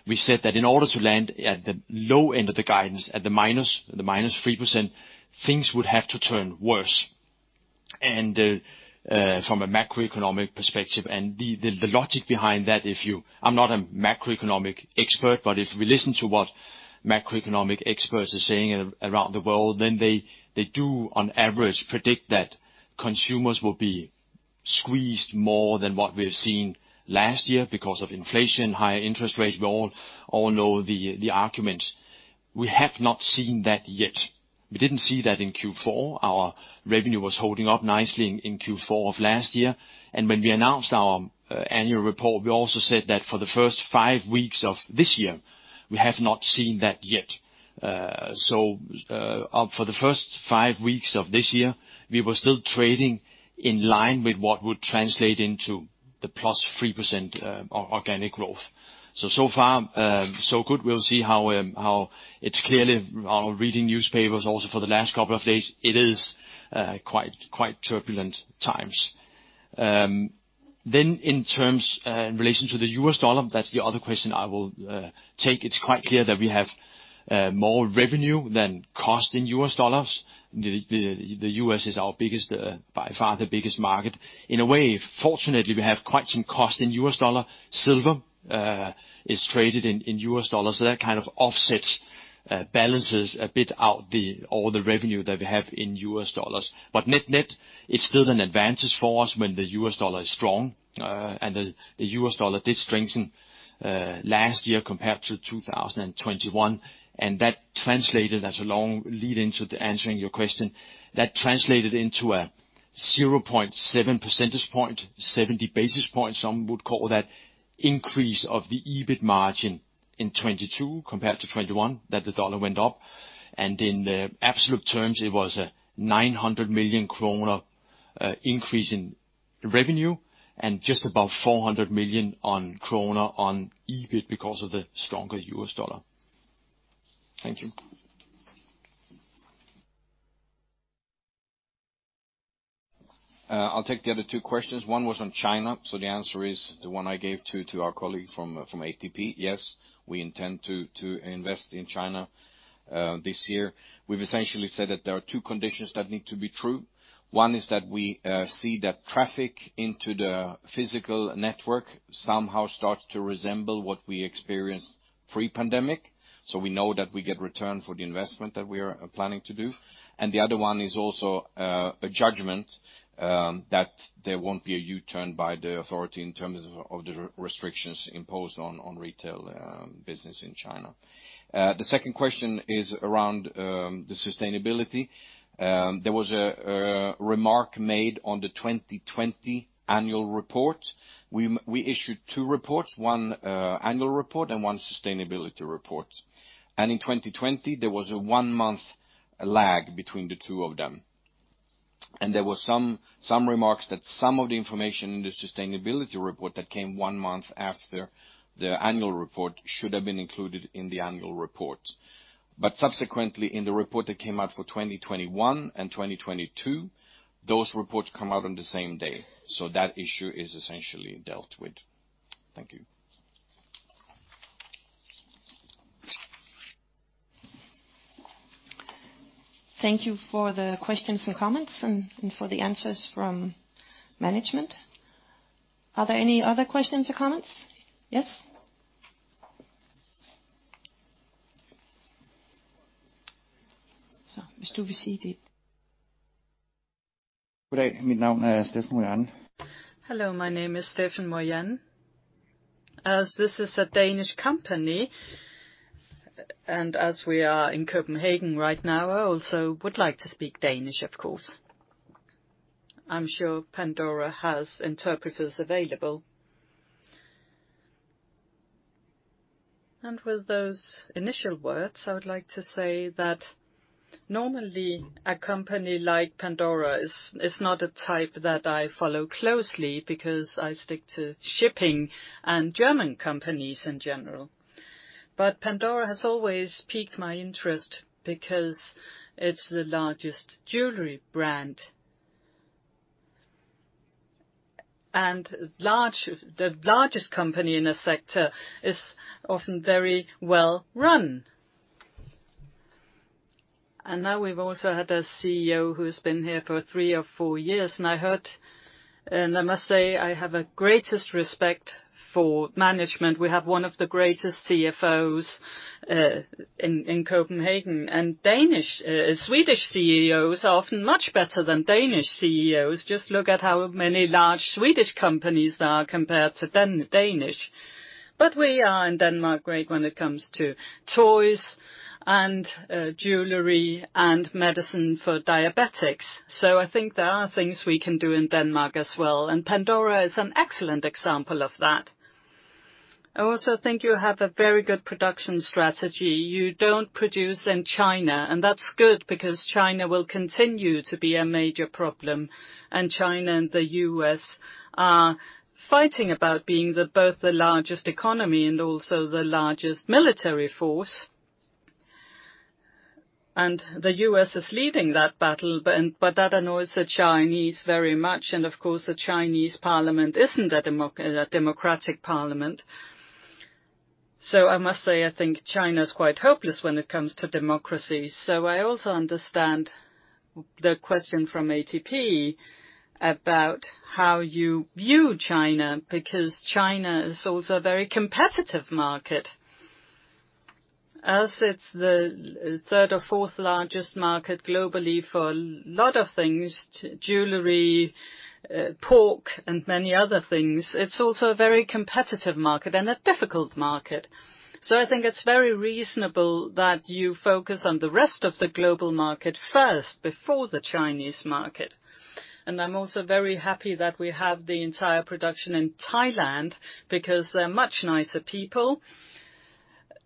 we said that in order to land at the low end of the guidance, at the minus 3%, things would have to turn worse. From a macroeconomic perspective and the logic behind that, I'm not a macroeconomic expert, but if we listen to what macroeconomic experts are saying around the world, then they do on average predict that consumers will be squeezed more than what we've seen last year because of inflation, higher interest rates. We all know the arguments. We have not seen that yet. We didn't see that in Q4. Our revenue was holding up nicely in Q4 of last year. When we announced our annual report, we also said that for the first five weeks of this year, we have not seen that yet. For the first five weeks of this year, we were still trading in line with what would translate into the +3% organic growth. So far, so good. We'll see how. It's clearly on reading newspapers also for the last couple of days, it is quite turbulent times. In terms in relation to the U.S. dollar, that's the other question I will take. It's quite clear that we have more revenue than cost in U.S. dollars. The U.S. is our biggest by far the biggest market. In a way, fortunately, we have quite some cost in U.S. dollar. Silver is traded in U.S. dollars, so that kind of offsets balances a bit out the all the revenue that we have in U.S. dollars. Net-net, it's still an advantage for us when the U.S. dollar is strong, and the U.S. dollar did strengthen last year compared to 2021. That translated, that's a long lead into the answering your question, that translated into a 0.7 percentage point, 70 basis points, some would call that, increase of the EBIT margin in 2022 compared to 2021 that the dollar went up. In absolute terms, it was a 900 million kroner increase in revenue and just about 400 million kroner on EBIT because of the stronger U.S. dollar. Thank you. I'll take the other two questions. One was on China. The answer is the one I gave to our colleague from ATP. Yes, we intend to invest in China this year. We've essentially said that there are two conditions that need to be true. One is that we see that traffic into the physical network somehow starts to resemble what we experienced pre-pandemic. We know that we get return for the investment that we are planning to do. The other one is also a judgment that there won't be a U-turn by the authority in terms of the restrictions imposed on retail business in China. The second question is around the sustainability. There was a remark made on the 2020 annual report. We issued two reports, one annual report and one sustainability report. In 2020, there was a one-month lag between the two of them. There were some remarks that some of the information in the sustainability report that came 1 month after the annual report should have been included in the annual report. Subsequently, in the report that came out for 2021 and 2022, those reports come out on the same day. That issue is essentially dealt with. Thank you. Thank you for the questions and comments and for the answers from management. Are there any other questions or comments? Yes. Hello, my name is Steffen Møjen. As this is a Danish company, as we are in Copenhagen right now, I also would like to speak Danish, of course. I'm sure Pandora has interpreters available. With those initial words, I would like to say that normally a company like Pandora is not a type that I follow closely because I stick to shipping and German companies in general. Pandora has always piqued my interest because it's the largest jewelry brand. The largest company in a sector is often very well run. Now we've also had a CEO who's been here for three or four years, I heard, I must say I have a greatest respect for management. We have one of the greatest CFOs in Copenhagen. Danish Swedish CEOs are often much better than Danish CEOs. Just look at how many large Swedish companies there are compared to Danish. We are in Denmark great when it comes to toys and jewelry and medicine for diabetics. I think there are things we can do in Denmark as well, and Pandora is an excellent example of that. I also think you have a very good production strategy. You don't produce in China, and that's good because China will continue to be a major problem. China and the U.S. are fighting about being the both the largest economy and also the largest military force. The U.S. is leading that battle, but that annoys the Chinese very much. Of course, the Chinese parliament isn't a democratic parliament. I must say, I think China is quite hopeless when it comes to democracy. I also understand the question from ATP about how you view China, because China is also a very competitive market. As it's the third or fourth largest market globally for a lot of things, jewelry, pork, and many other things. It's also a very competitive market and a difficult market. I think it's very reasonable that you focus on the rest of the global market first before the Chinese market. I'm also very happy that we have the entire production in Thailand because they're much nicer people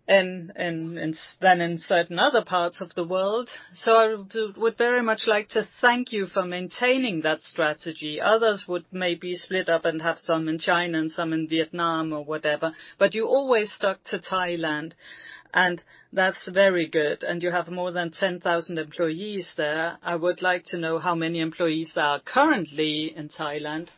and than in certain other parts of the world. I would very much like to thank you for maintaining that strategy. Others would maybe split up and have some in China and some in Vietnam or whatever, but you always stuck to Thailand, and that's very good. You have more than 10,000 employees there. I would like to know how many employees there are currently in Thailand.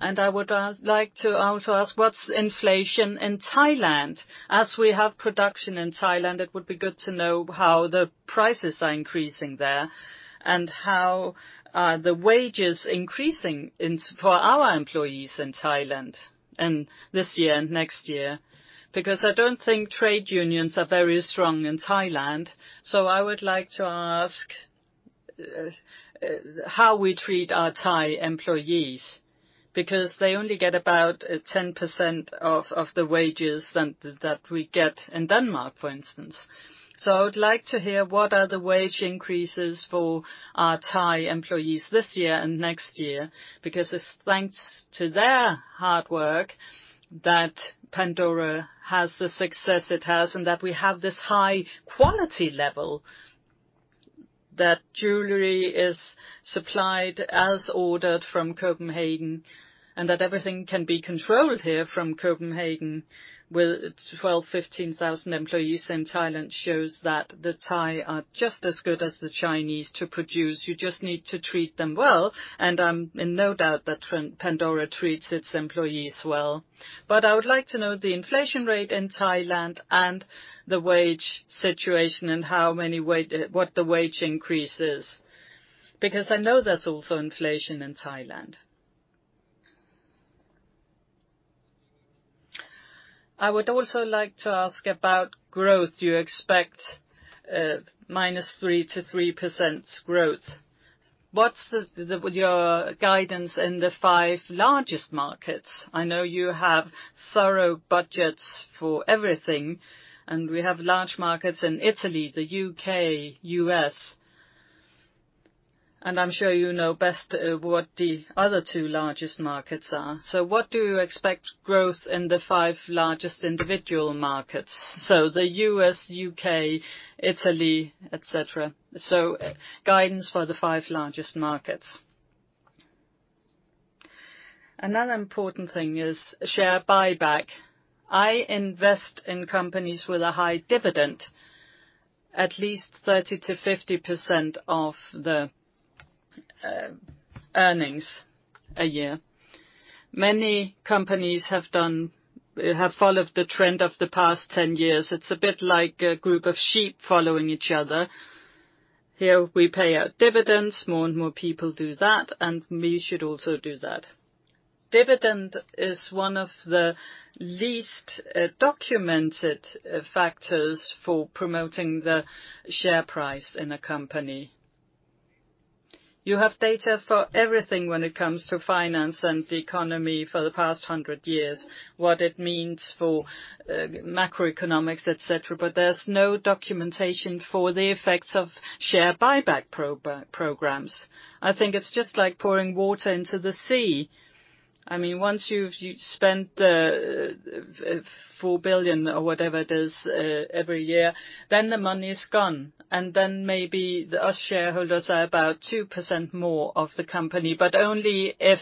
I would like to also ask, what's inflation in Thailand? As we have production in Thailand, it would be good to know how the prices are increasing there and how the wage is increasing for our employees in Thailand this year and next year, because I don't think trade unions are very strong in Thailand. I would like to ask how we treat our Thai employees, because they only get about 10% of the wages that we get in Denmark, for instance. I would like to hear what are the wage increases for our Thai employees this year and next year, because it's thanks to their hard work that Pandora has the success it has and that we have this high quality level. That jewelry is supplied as ordered from Copenhagen, and that everything can be controlled here from Copenhagen. With 12,000-15,000 employees in Thailand shows that the Thai are just as good as the Chinese to produce. You just need to treat them well, and I'm in no doubt that Pandora treats its employees well. But I would like to know the inflation rate in Thailand and the wage situation and what the wage increase is, because I know there's also inflation in Thailand. I would also like to ask about growth. You expect -3%- 3% growth. What's your guidance in the five largest markets? I know you have thorough budgets for everything, and we have large markets in Italy, the U.K., U.S. I'm sure you know best what the other two largest markets are. What do you expect growth in the 5 largest individual markets? The U.S., U.K., Italy, et cetera. Guidance for the 5 largest markets. Another important thing is share buyback. I invest in companies with a high dividend, at least 30%-50% of the earnings a year. Many companies have followed the trend of the past 10 years. It's a bit like a group of sheep following each other. Here we pay out dividends, more and more people do that, and we should also do that. Dividend is one of the least documented factors for promoting the share price in a company. You have data for everything when it comes to finance and the economy for the past 100 years, what it means for macroeconomics, et cetera, but there's no documentation for the effects of share buyback programs. I think it's just like pouring water into the sea. I mean, once you've spent the 4 billion or whatever it is, every year, then the money is gone. Then maybe us shareholders are about 2% more of the company, but only if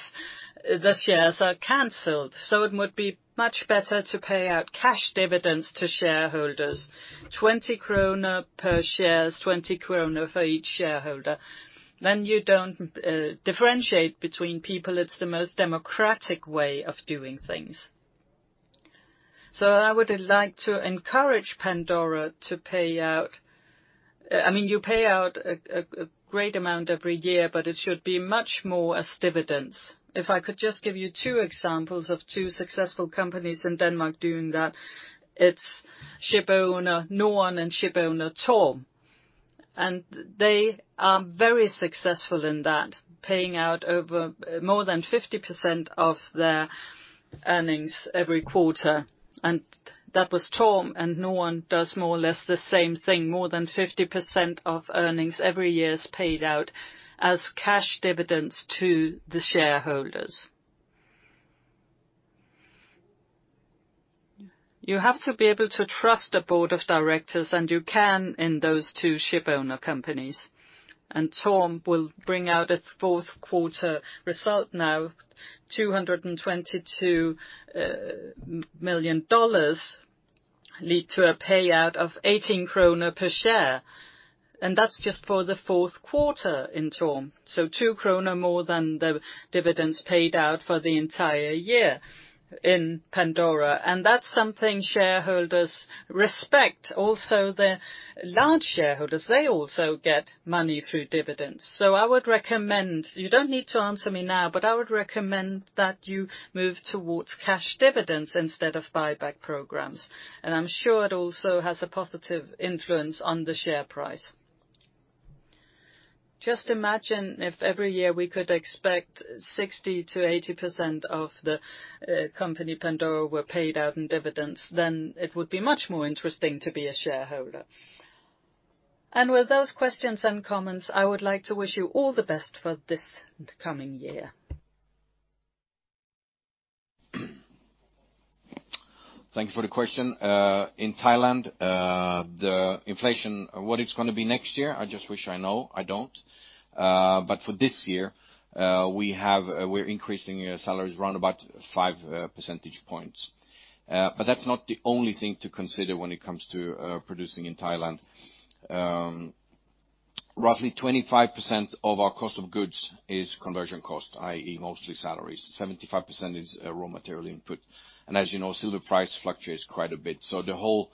the shares are canceled. It would be much better to pay out cash dividends to shareholders. 20 kroner per share is 20 kroner for each shareholder. You don't differentiate between people. It's the most democratic way of doing things. I would like to encourage Pandora to pay out. I mean, you pay out a great amount every year, but it should be much more as dividends. If I could just give you 2 examples of 2 successful companies in Denmark doing that. It's shipowner Norden and shipowner Torm. They are very successful in that, paying out over more than 50% of their earnings every quarter. That was Torm, and Norden does more or less the same thing. More than 50% of earnings every year is paid out as cash dividends to the shareholders. You have to be able to trust the board of directors, and you can in those two shipowner companies. Torm will bring out its fourth quarter result now, $222 million. Lead to a payout of 18 kroner per share, and that's just for the fourth quarter in Torm. Two DKK more than the dividends paid out for the entire year in Pandora, and that's something shareholders respect. Also the large shareholders, they also get money through dividends. I would recommend... You don't need to answer me now, but I would recommend that you move towards cash dividends instead of buyback programs. I'm sure it also has a positive influence on the share price. Just imagine if every year we could expect 60%-80% of the company Pandora were paid out in dividends, it would be much more interesting to be a shareholder. With those questions and comments, I would like to wish you all the best for this coming year. Thank you for the question. In Thailand, the inflation, what it's gonna be next year, I just wish I know. I don't. For this year, we're increasing salaries round about 5 percentage points. That's not the only thing to consider when it comes to producing in Thailand. Roughly 25% of our cost of goods is conversion cost, i.e. mostly salaries. 75% is raw material input. As you know, silver price fluctuates quite a bit. The whole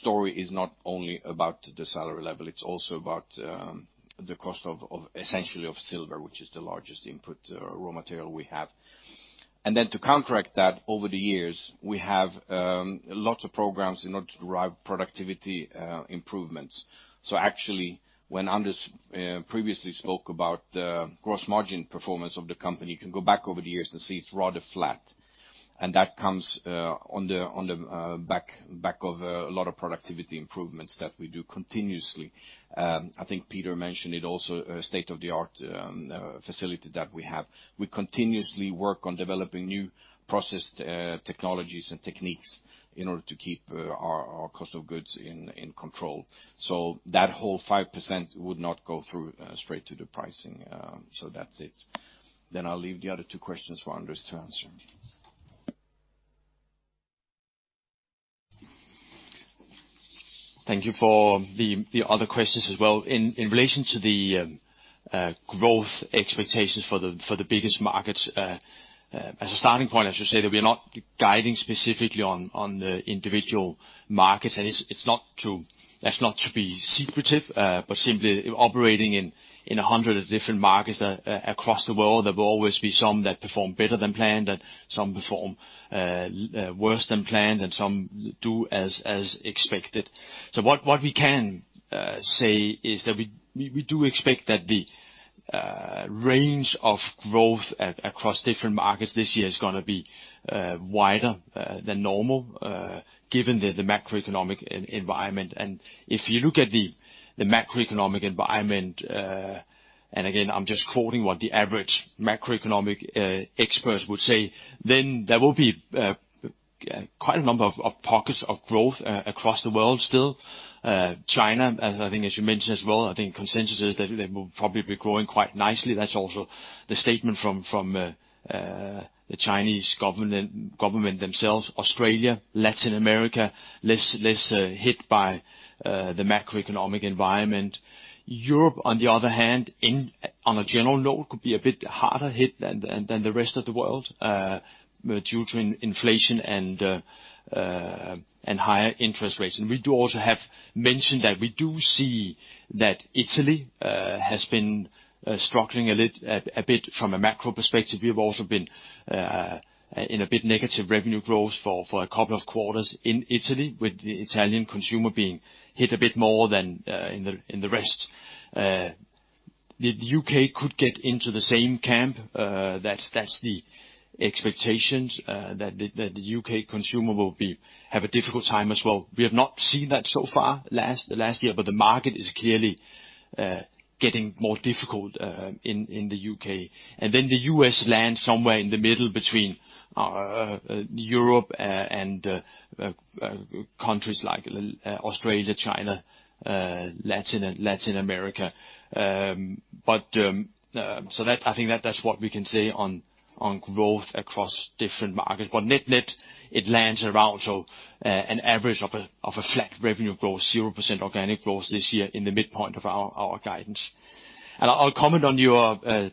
story is not only about the salary level, it's also about the cost of essentially of silver, which is the largest input raw material we have. To counteract that over the years, we have lots of programs in order to drive productivity improvements. Actually, when Anders previously spoke about gross margin performance of the company, you can go back over the years and see it's rather flat. That comes on the back of a lot of productivity improvements that we do continuously. I think Peter mentioned it also, a state-of-the-art facility that we have. We continuously work on developing new process technologies and techniques in order to keep our cost of goods in control. That whole 5% would not go through straight to the pricing. That's it. I'll leave the other two questions for Anders to answer. Thank you for the other questions as well. In relation to the growth expectations for the biggest markets as a starting point, I should say that we are not guiding specifically on the individual markets. That's not to be secretive, but simply operating in 100 different markets across the world, there will always be some that perform better than planned and some perform worse than planned and some do as expected. What we can say is that we do expect that the range of growth across different markets this year is gonna be wider than normal given the macroeconomic environment. If you look at the macroeconomic environment, again, I'm just quoting what the average macroeconomic experts would say, then there will be quite a number of pockets of growth across the world still. China, as I think as you mentioned as well, I think consensus is that they will probably be growing quite nicely. That's also the statement from the Chinese government themselves. Australia, Latin America, less hit by the macroeconomic environment. Europe, on the other hand, on a general note, could be a bit harder hit than the rest of the world, due to inflation and higher interest rates. We do also have mentioned that we do see that Italy has been struggling a bit from a macro perspective. We have also been in a bit negative revenue growth for a couple of quarters in Italy, with the Italian consumer being hit a bit more than in the rest. The U.K. could get into the same camp. That's, that's the expectations that the U.K. consumer will be, have a difficult time as well. We have not seen that so far last, the last year, but the market is clearly getting more difficult in the U.K. The U.S. lands somewhere in the middle between Europe and countries like Australia, China, Latin America. I think that that's what we can say on growth across different markets. Net-net, it lands around an average of a flat revenue growth, 0% organic growth this year in the midpoint of our guidance. I'll comment on your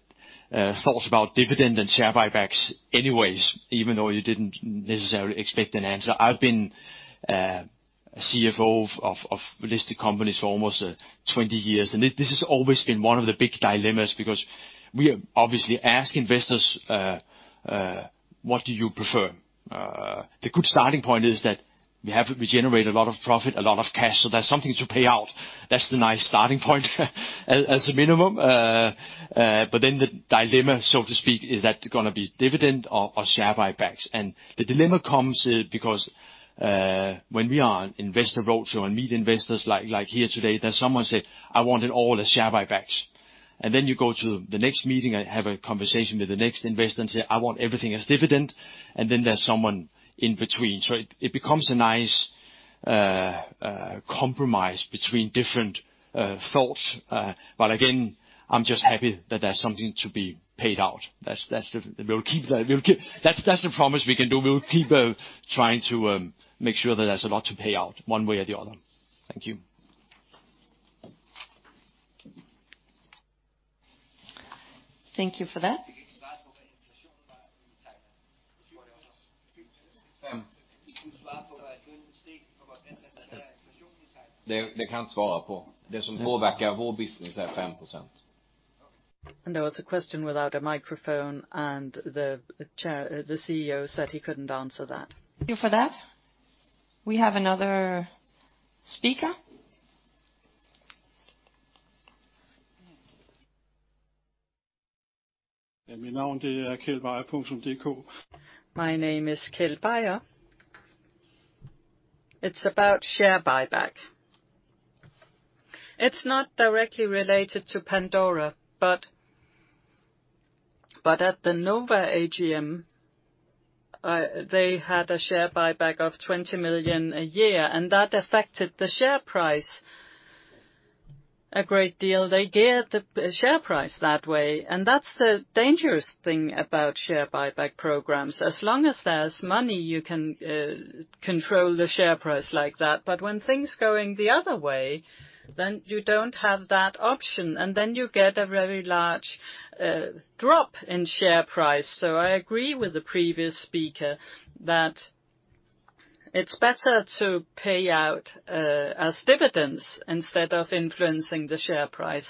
thoughts about dividend and share buybacks anyways, even though you didn't necessarily expect an answer. I've been CFO of listed companies for almost 20 years, and this has always been one of the big dilemmas, because we obviously ask investors, "What do you prefer?" The good starting point is that we generate a lot of profit, a lot of cash, so there's something to pay out. That's the nice starting point as a minimum. The dilemma, so to speak, is that gonna be dividend or share buybacks? The dilemma comes because when we are on investor roadshow and meet investors like here today, there's someone say, "I want it all as share buybacks." Then you go to the next meeting and have a conversation with the next investor and say, "I want everything as dividend." Then there's someone in between. It, it becomes a nice compromise between different thoughts. Again, I'm just happy that there's something to be paid out. That's the... We'll keep... That's a promise we can do. We will keep trying to make sure that there's a lot to pay out, one way or the other. Thank you. Thank you for that. (crosstalk) There was a question without a microphone, and the chair, the CEO said he couldn't answer that. Thank you for that. We have another speaker. My name is Keld Bayer. It's about share buyback. It's not directly related to Pandora, but at the Novo AGM, they had a share buyback of 20 million a year, that affected the share price a great deal. They geared the share price that way, that's the dangerous thing about share buyback programs. As long as there's money, you can control the share price like that. When things going the other way, you don't have that option, you get a very large drop in share price. I agree with the previous speaker that it's better to pay out as dividends instead of influencing the share price.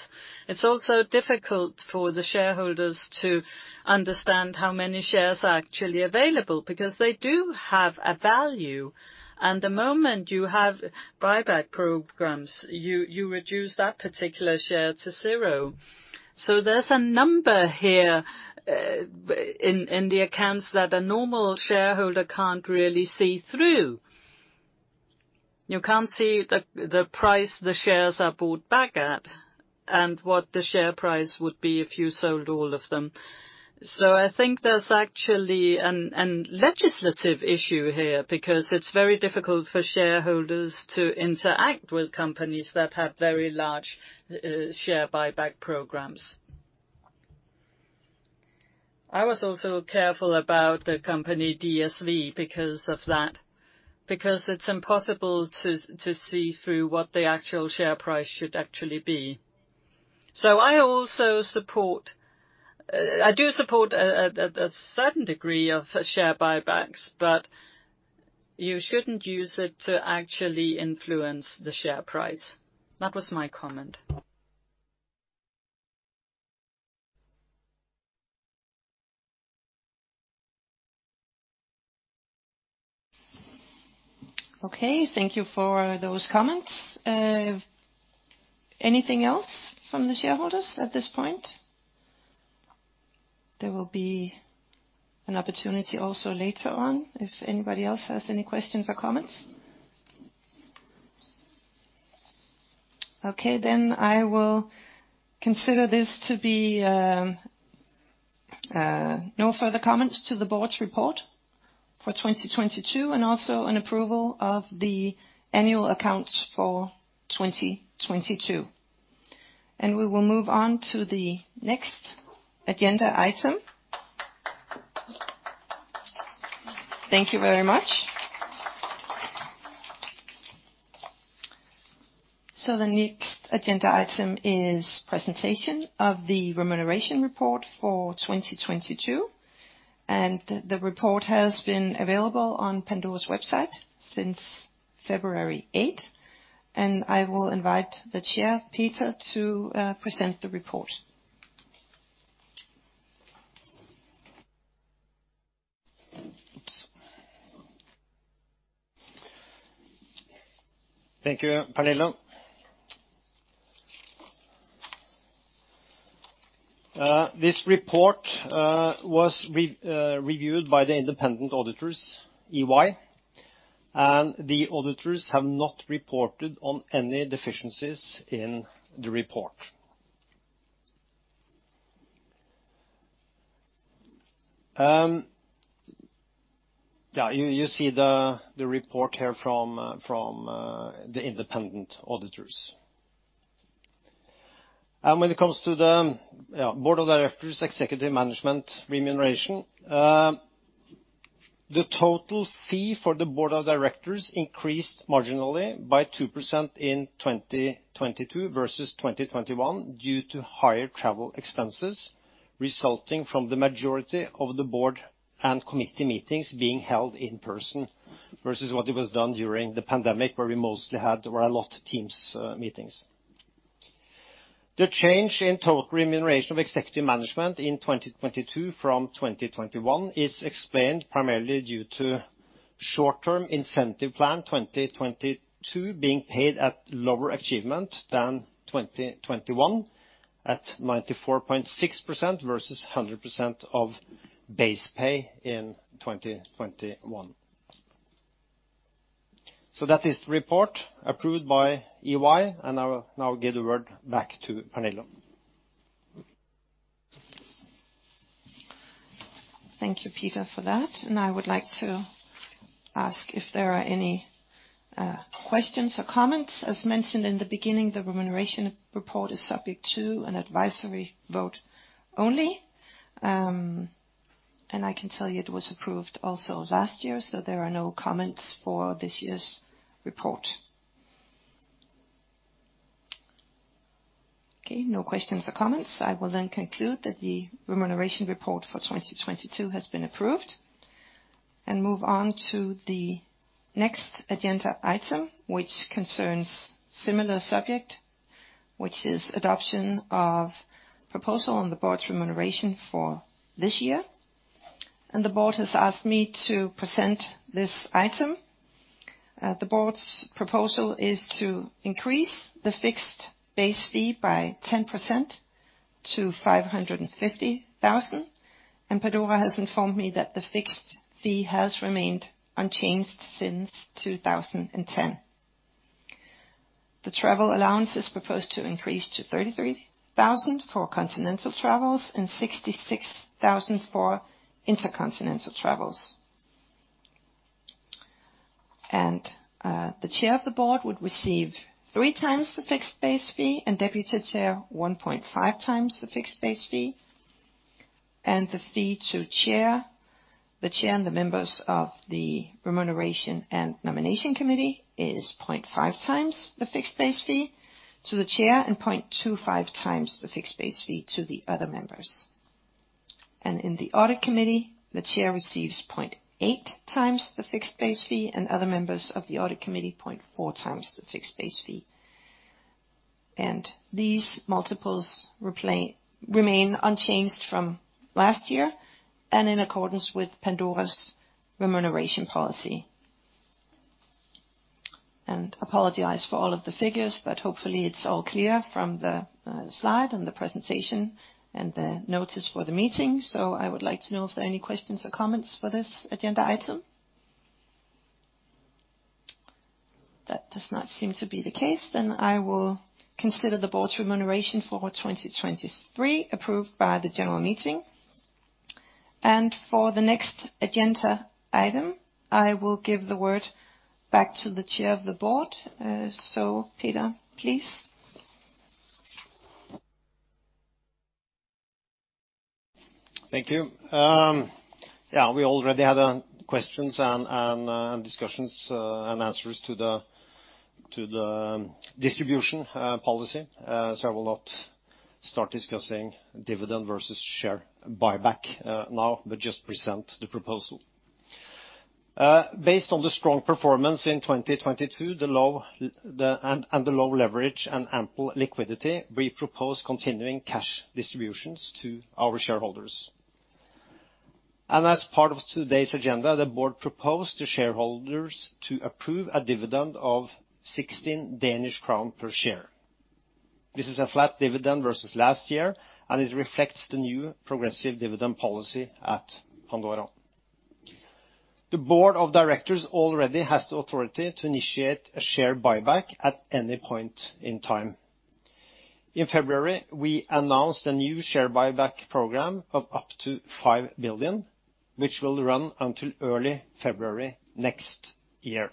It's also difficult for the shareholders to understand how many shares are actually available, because they do have a value. The moment you have buyback programs, you reduce that particular share to zero. There's a number here in the accounts that a normal shareholder can't really see through. You can't see the price the shares are bought back at and what the share price would be if you sold all of them. I think there's actually a legislative issue here, because it's very difficult for shareholders to interact with companies that have very large share buyback programs. I was also careful about the company DSV because of that, because it's impossible to see through what the actual share price should actually be. I also support, I do support a certain degree of share buybacks, but you shouldn't use it to actually influence the share price. That was my comment. Thank you for those comments. Anything else from the shareholders at this point? There will be an opportunity also later on if anybody else has any questions or comments. I will consider this to be no further comments to the board's report for 2022 and also an approval of the annual accounts for 2022. We will move on to the next agenda item. Thank you very much. The next agenda item is presentation of the Remuneration Report for 2022, and the report has been available on Pandora's website since February 8. I will invite the Chair, Peter, to present the report. Thank you, Pernille. This report was reviewed by the independent auditors, EY, and the auditors have not reported on any deficiencies in the report. Yeah, you see the report here from the independent auditors. When it comes to the, yeah, board of directors' executive management remuneration, the total fee for the board of directors increased marginally by 2% in 2022 versus 2021 due to higher travel expenses resulting from the majority of the board and committee meetings being held in person versus what it was done during the pandemic, where we mostly had. There were a lot of Teams meetings. The change in total remuneration of executive management in 2022 from 2021 is explained primarily due to short-term incentive plan 2022 being paid at lower achievement than 2021, at 94.6% versus 100% of base pay in 2021. That is the report approved by EY, and I will now give the word back to Pernille. Thank you, Peter, for that. I would like to ask if there are any questions or comments. As mentioned in the beginning, the remuneration report is subject to an advisory vote only. I can tell you it was approved also last year, there are no comments for this year's report. Okay, no questions or comments. I will conclude that the remuneration report for 2022 has been approved, move on to the next agenda item, which concerns similar subject, which is adoption of proposal on the board's remuneration for this year. The board has asked me to present this item. The board's proposal is to increase the fixed base fee by 10% to 550,000, Pandora has informed me that the fixed fee has remained unchanged since 2010. The travel allowance is proposed to increase to 33,000 for continental travels and 66,000 for intercontinental travels. The chair of the board would receive 3 times the fixed base fee and deputy chair 1.5x the fixed base fee. The fee to chair, the chair and the members of the Remuneration and Nomination Committee is 0.5 times the fixed base fee to the chair and 0.25 times the fixed base fee to the other members. In the audit committee, the chair receives 0.8 times the fixed base fee and other members of the audit committee 0.4 times the fixed base fee. These multiples remain unchanged from last year and in accordance with Pandora's remuneration policy. Apologize for all of the figures, but hopefully it's all clear from the slide and the presentation and the notice for the meeting. I would like to know if there are any questions or comments for this agenda item. That does not seem to be the case. I will consider the Board's remuneration for 2023 approved by the general meeting. For the next agenda item, I will give the word back to the Chair of the Board. Peter, please. Thank you. We already had questions and discussions and answers to the distribution policy. I will not start discussing dividend versus share buyback now, but just present the proposal. Based on the strong performance in 2022, the low leverage and ample liquidity, we propose continuing cash distributions to our shareholders. As part of today's agenda, the board proposed to shareholders to approve a dividend of 16 Danish crown per share. This is a flat dividend versus last year, it reflects the new progressive dividend policy at Pandora. The board of directors already has the authority to initiate a share buyback at any point in time. In February, we announced a new share buyback program of up to 5 billion, which will run until early February next year.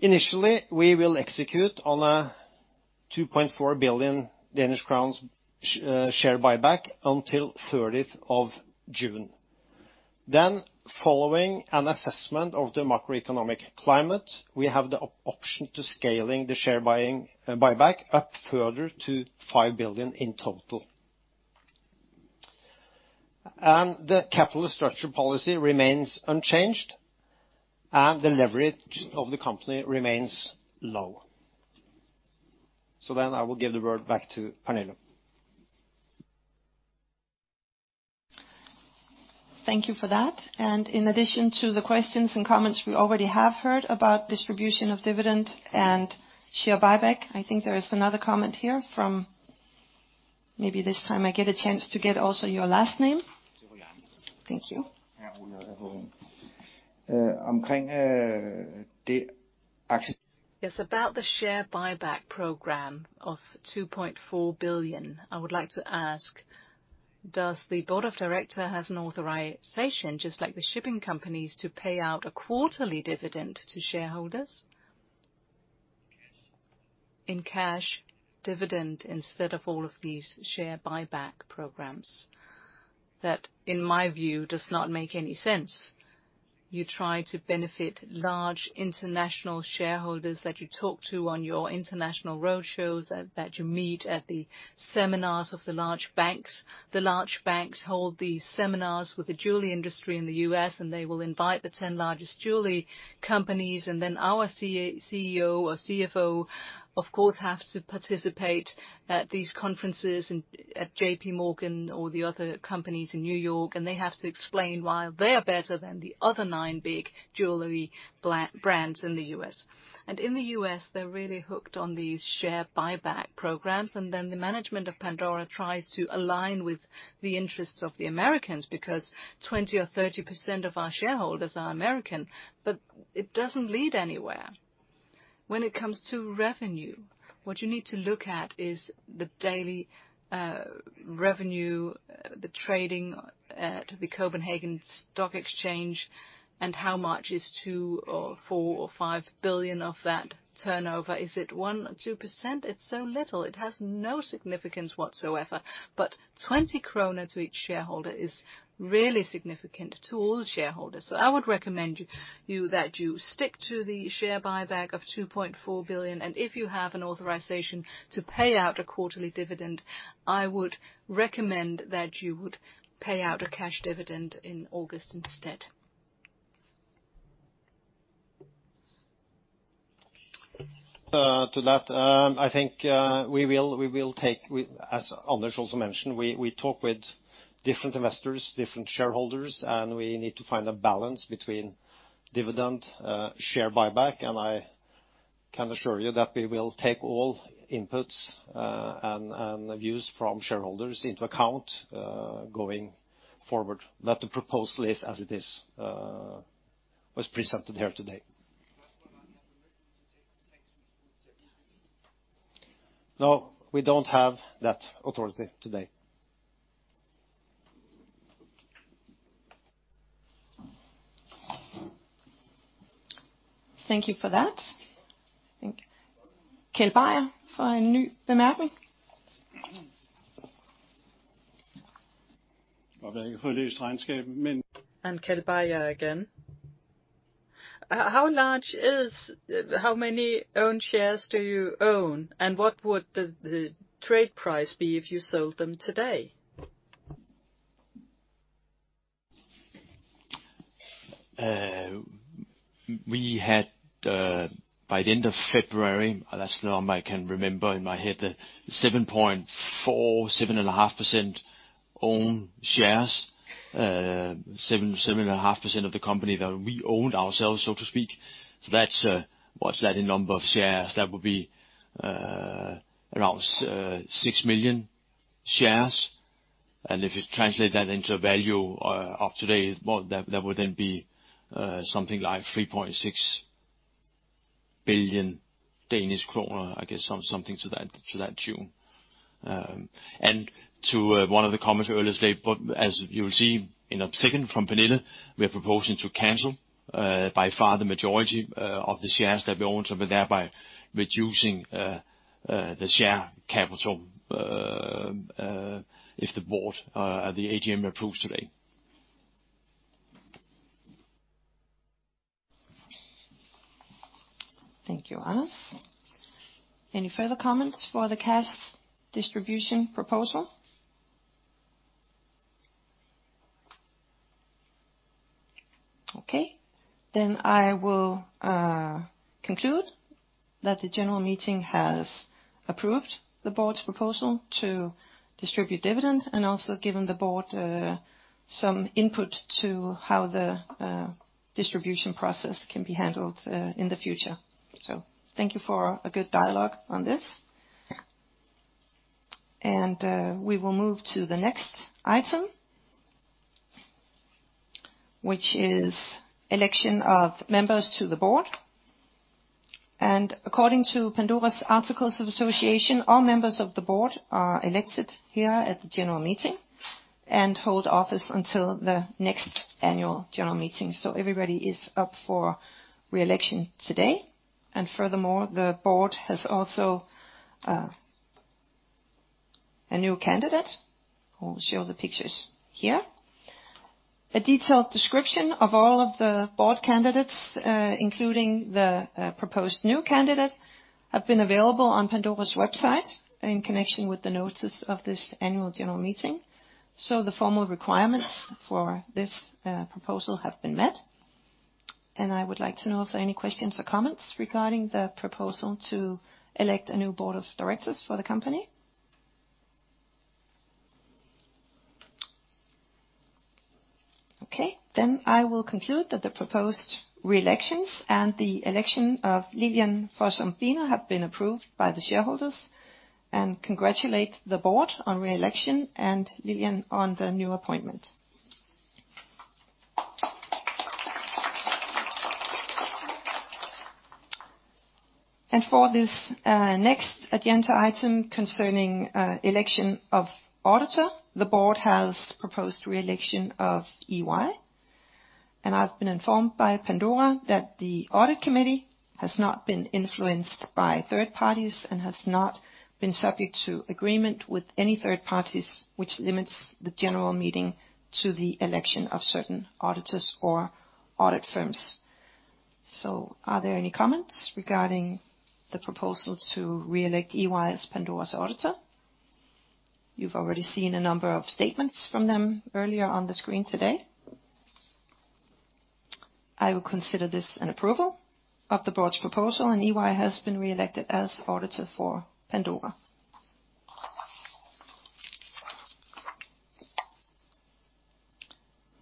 Initially, we will execute on a 2.4 billion Danish crowns share buyback until 30th of June. Following an assessment of the macroeconomic climate, we have the option to scaling the share buyback up further to 5 billion in total. The capital structure policy remains unchanged, and the leverage of the company remains low. I will give the word back to Pernille. Thank you for that. In addition to the questions and comments we already have heard about distribution of dividend and share buyback, I think there is another comment here from. Maybe this time I get a chance to get also your last name. Thank you. Omkring det. Yes, about the share buyback program of 2.4 billion, I would like to ask, does the Board of Directors has an authorization, just like the shipping companies, to pay out a quarterly dividend to shareholders? In cash dividend instead of all of these share buyback programs that, in my view, does not make any sense. You try to benefit large international shareholders that you talk to on your international roadshows, that you meet at the seminars of the large banks. The large banks hold these seminars with the jewelry industry in the U.S. They will invite the 10 largest jewelry companies. Then our CEO or CFO, of course, have to participate at these conferences and at JP Morgan or the other companies in New York. They have to explain why they are better than the other 9 big jewelry brands in the U.S. In the U.S., they're really hooked on these share buyback programs. Then the management of Pandora tries to align with the interests of the Americans because 20% or 30% of our shareholders are American. It doesn't lead anywhere. When it comes to revenue, what you need to look at is the daily revenue, the trading to the Copenhagen Stock Exchange and how much is 2 or 4 or 5 billion of that turnover? Is it 1% or 2%? It's so little, it has no significance whatsoever. 20 kroner to each shareholder is really significant to all shareholders. I would recommend you that you stick to the share buyback of 2.4 billion, and if you have an authorization to pay out a quarterly dividend, I would recommend that you would pay out a cash dividend in August instead. To that, I think. As Anders also mentioned, we talk with different investors, different shareholders. We need to find a balance between dividend, share buyback. I can assure you that we will take all inputs and views from shareholders into account going forward. The proposal is as it is was presented here today. No, we don't have that authority today. Thank you for that. Keld Bayer for a new remark. Keld Bayer again. How many own shares do you own? What would the trade price be if you sold them today? We had by the end of February, unless now I might can remember in my head, 7.4, 7.5% own shares. 7.5% of the company that we owned ourselves, so to speak. That's what's that in number of shares? That would be around 6 million shares. If you translate that into a value of today, well, that would then be something like 3.6 billion Danish kroner, I guess something to that, to that tune. To one of the comments earlier today. As you will see in a second from Pernille, we are proposing to cancel by far the majority of the shares that we own. We're thereby reducing the share capital if the board at the AGM approves today. Thank you, Anders. Any further comments for the cash distribution proposal? Okay, I will conclude that the general meeting has approved the board's proposal to distribute dividend and also given the board some input to how the distribution process can be handled in the future. Thank you for a good dialogue on this. We will move to the next item, which is election of members to the board. According to Pandora's articles of association, all members of the board are elected here at the general meeting and hold office until the next annual general meeting. Everybody is up for re-election today. Furthermore, the board has also a new candidate, we'll show the pictures here. A detailed description of all of the board candidates, including the proposed new candidate, have been available on Pandora's website in connection with the notice of this annual general meeting. The formal requirements for this proposal have been met, and I would like to know if there are any questions or comments regarding the proposal to elect a new board of directors for the company. I will conclude that the proposed re-elections and the election of Lilian Fossum Biner have been approved by the shareholders, and congratulate the board on re-election and Lilian on the new appointment. For this next agenda item concerning election of auditor, the board has proposed re-election of EY. I've been informed by Pandora that the audit committee has not been influenced by third parties and has not been subject to agreement with any third parties, which limits the general meeting to the election of certain auditors or audit firms. Are there any comments regarding the proposal to re-elect EY as Pandora's auditor? You've already seen a number of statements from them earlier on the screen today. I will consider this an approval of the board's proposal, and EY has been re-elected as auditor for Pandora.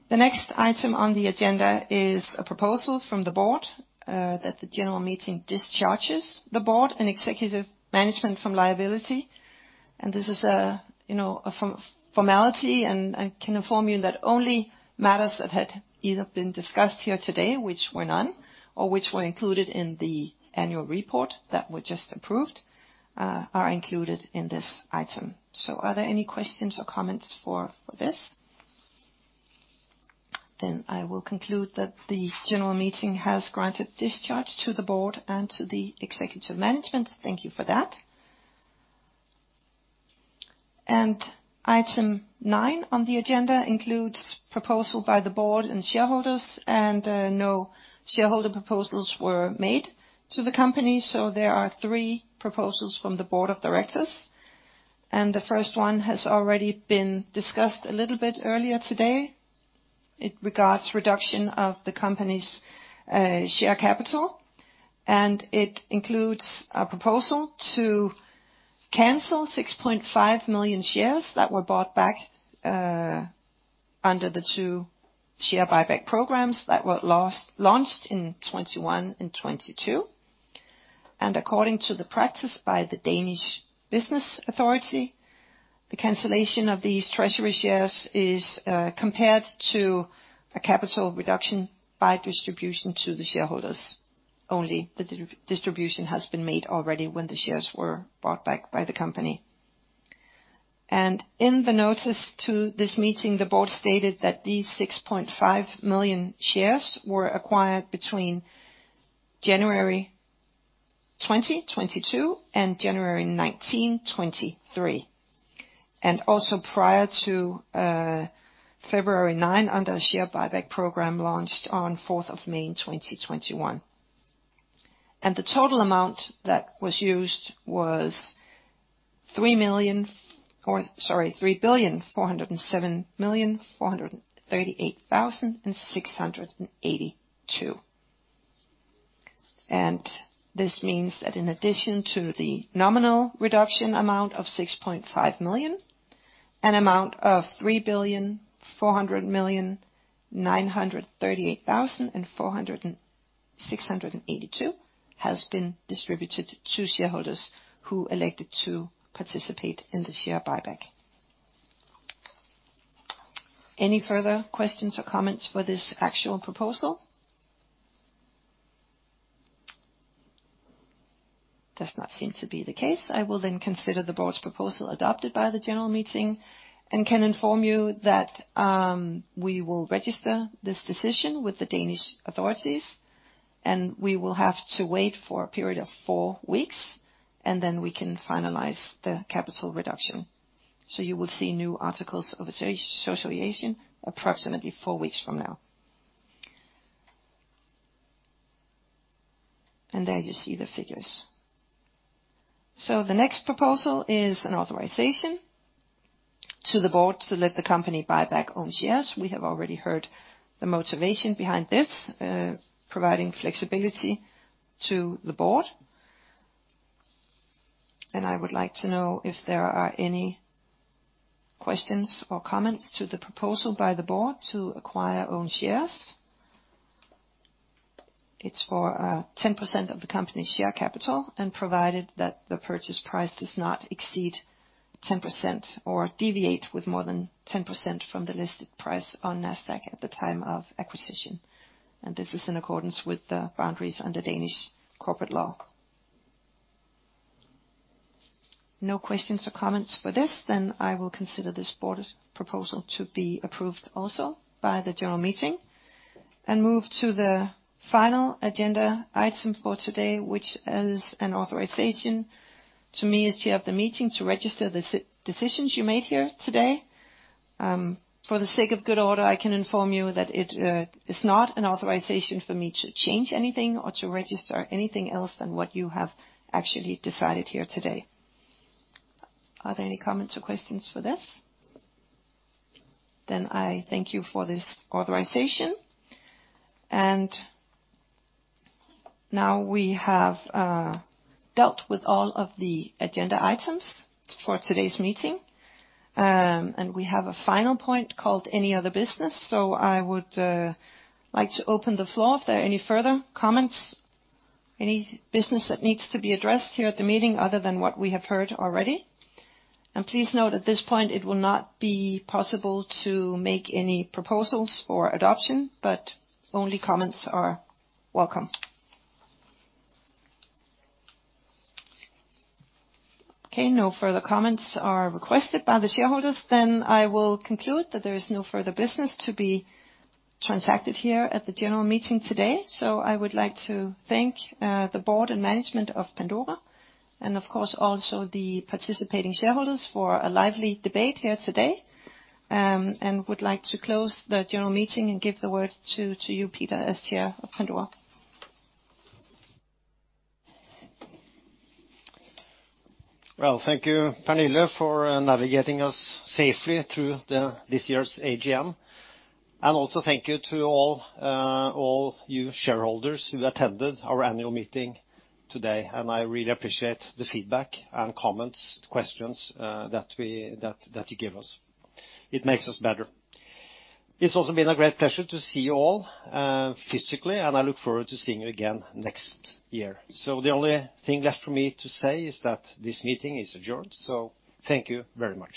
The next item on the agenda is a proposal from the board that the general meeting discharges the board and executive management from liability. This is a, you know, a formality, and I can inform you that only matters that had either been discussed here today, which were none, or which were included in the annual report that we just approved, are included in this item. Are there any questions or comments for this? I will conclude that the general meeting has granted discharge to the board and to the executive management. Thank you for that. Item nine on the agenda includes proposal by the board and shareholders, and no shareholder proposals were made to the company, there are three proposals from the board of directors. The first one has already been discussed a little bit earlier today. It regards reduction of the company's share capital, and it includes a proposal to cancel 6.5 million shares that were bought back under the two share buyback programs that were last launched in 2021 and 2022. According to the practice by the Danish Business Authority, the cancellation of these treasury shares is compared to a capital reduction by distribution to the shareholders only. The distribution has been made already when the shares were bought back by the company. In the notice to this meeting, the board stated that these 6.5 million shares were acquired between January 2022 and January 2023. Also prior to February 9, under a share buyback program launched on May 4, 2021. The total amount that was used was 3 million, or sorry, 3,407,438,682. This means that in addition to the nominal reduction amount of 6.5 million, an amount of 3,400,938,682 has been distributed to shareholders who elected to participate in the share buyback. Any further questions or comments for this actual proposal? Does not seem to be the case. I will then consider the board's proposal adopted by the general meeting, and can inform you that we will register this decision with the Danish authorities, and we will have to wait for a period of four weeks, and then we can finalize the capital reduction. You will see new articles of association approximately 4 weeks from now. There you see the figures. The next proposal is an authorization to the board to let the company buy back own shares. We have already heard the motivation behind this, providing flexibility to the board. I would like to know if there are any questions or comments to the proposal by the board to acquire own shares. It's for 10% of the company's share capital and provided that the purchase price does not exceed 10% or deviate with more than 10% from the listed price on Nasdaq at the time of acquisition. This is in accordance with the boundaries under Danish corporate law. No questions or comments for this, I will consider this board's proposal to be approved also by the general meeting and move to the final agenda item for today, which is an authorization to me as chair of the meeting, to register the decisions you made here today. For the sake of good order, I can inform you that it is not an authorization for me to change anything or to register anything else than what you have actually decided here today. Are there any comments or questions for this? I thank you for this authorization. Now we have dealt with all of the agenda items for today's meeting. We have a final point called any other business. I would like to open the floor if there are any further comments, any business that needs to be addressed here at the meeting other than what we have heard already. Please note at this point, it will not be possible to make any proposals for adoption, but only comments are welcome. No further comments are requested by the shareholders, I will conclude that there is no further business to be transacted here at the general meeting today. I would like to thank the board and management of Pandora, and of course, also the participating shareholders for a lively debate here today. Would like to close the general meeting and give the word to you, Peter, as Chair of Pandora. Well, thank you, Pernille, for navigating us safely through this year's AGM. Also thank you to all you shareholders who attended our annual meeting today. I really appreciate the feedback and comments, questions, that you give us. It makes us better. It's also been a great pleasure to see you all physically, and I look forward to seeing you again next year. The only thing left for me to say is that this meeting is adjourned, thank you very much.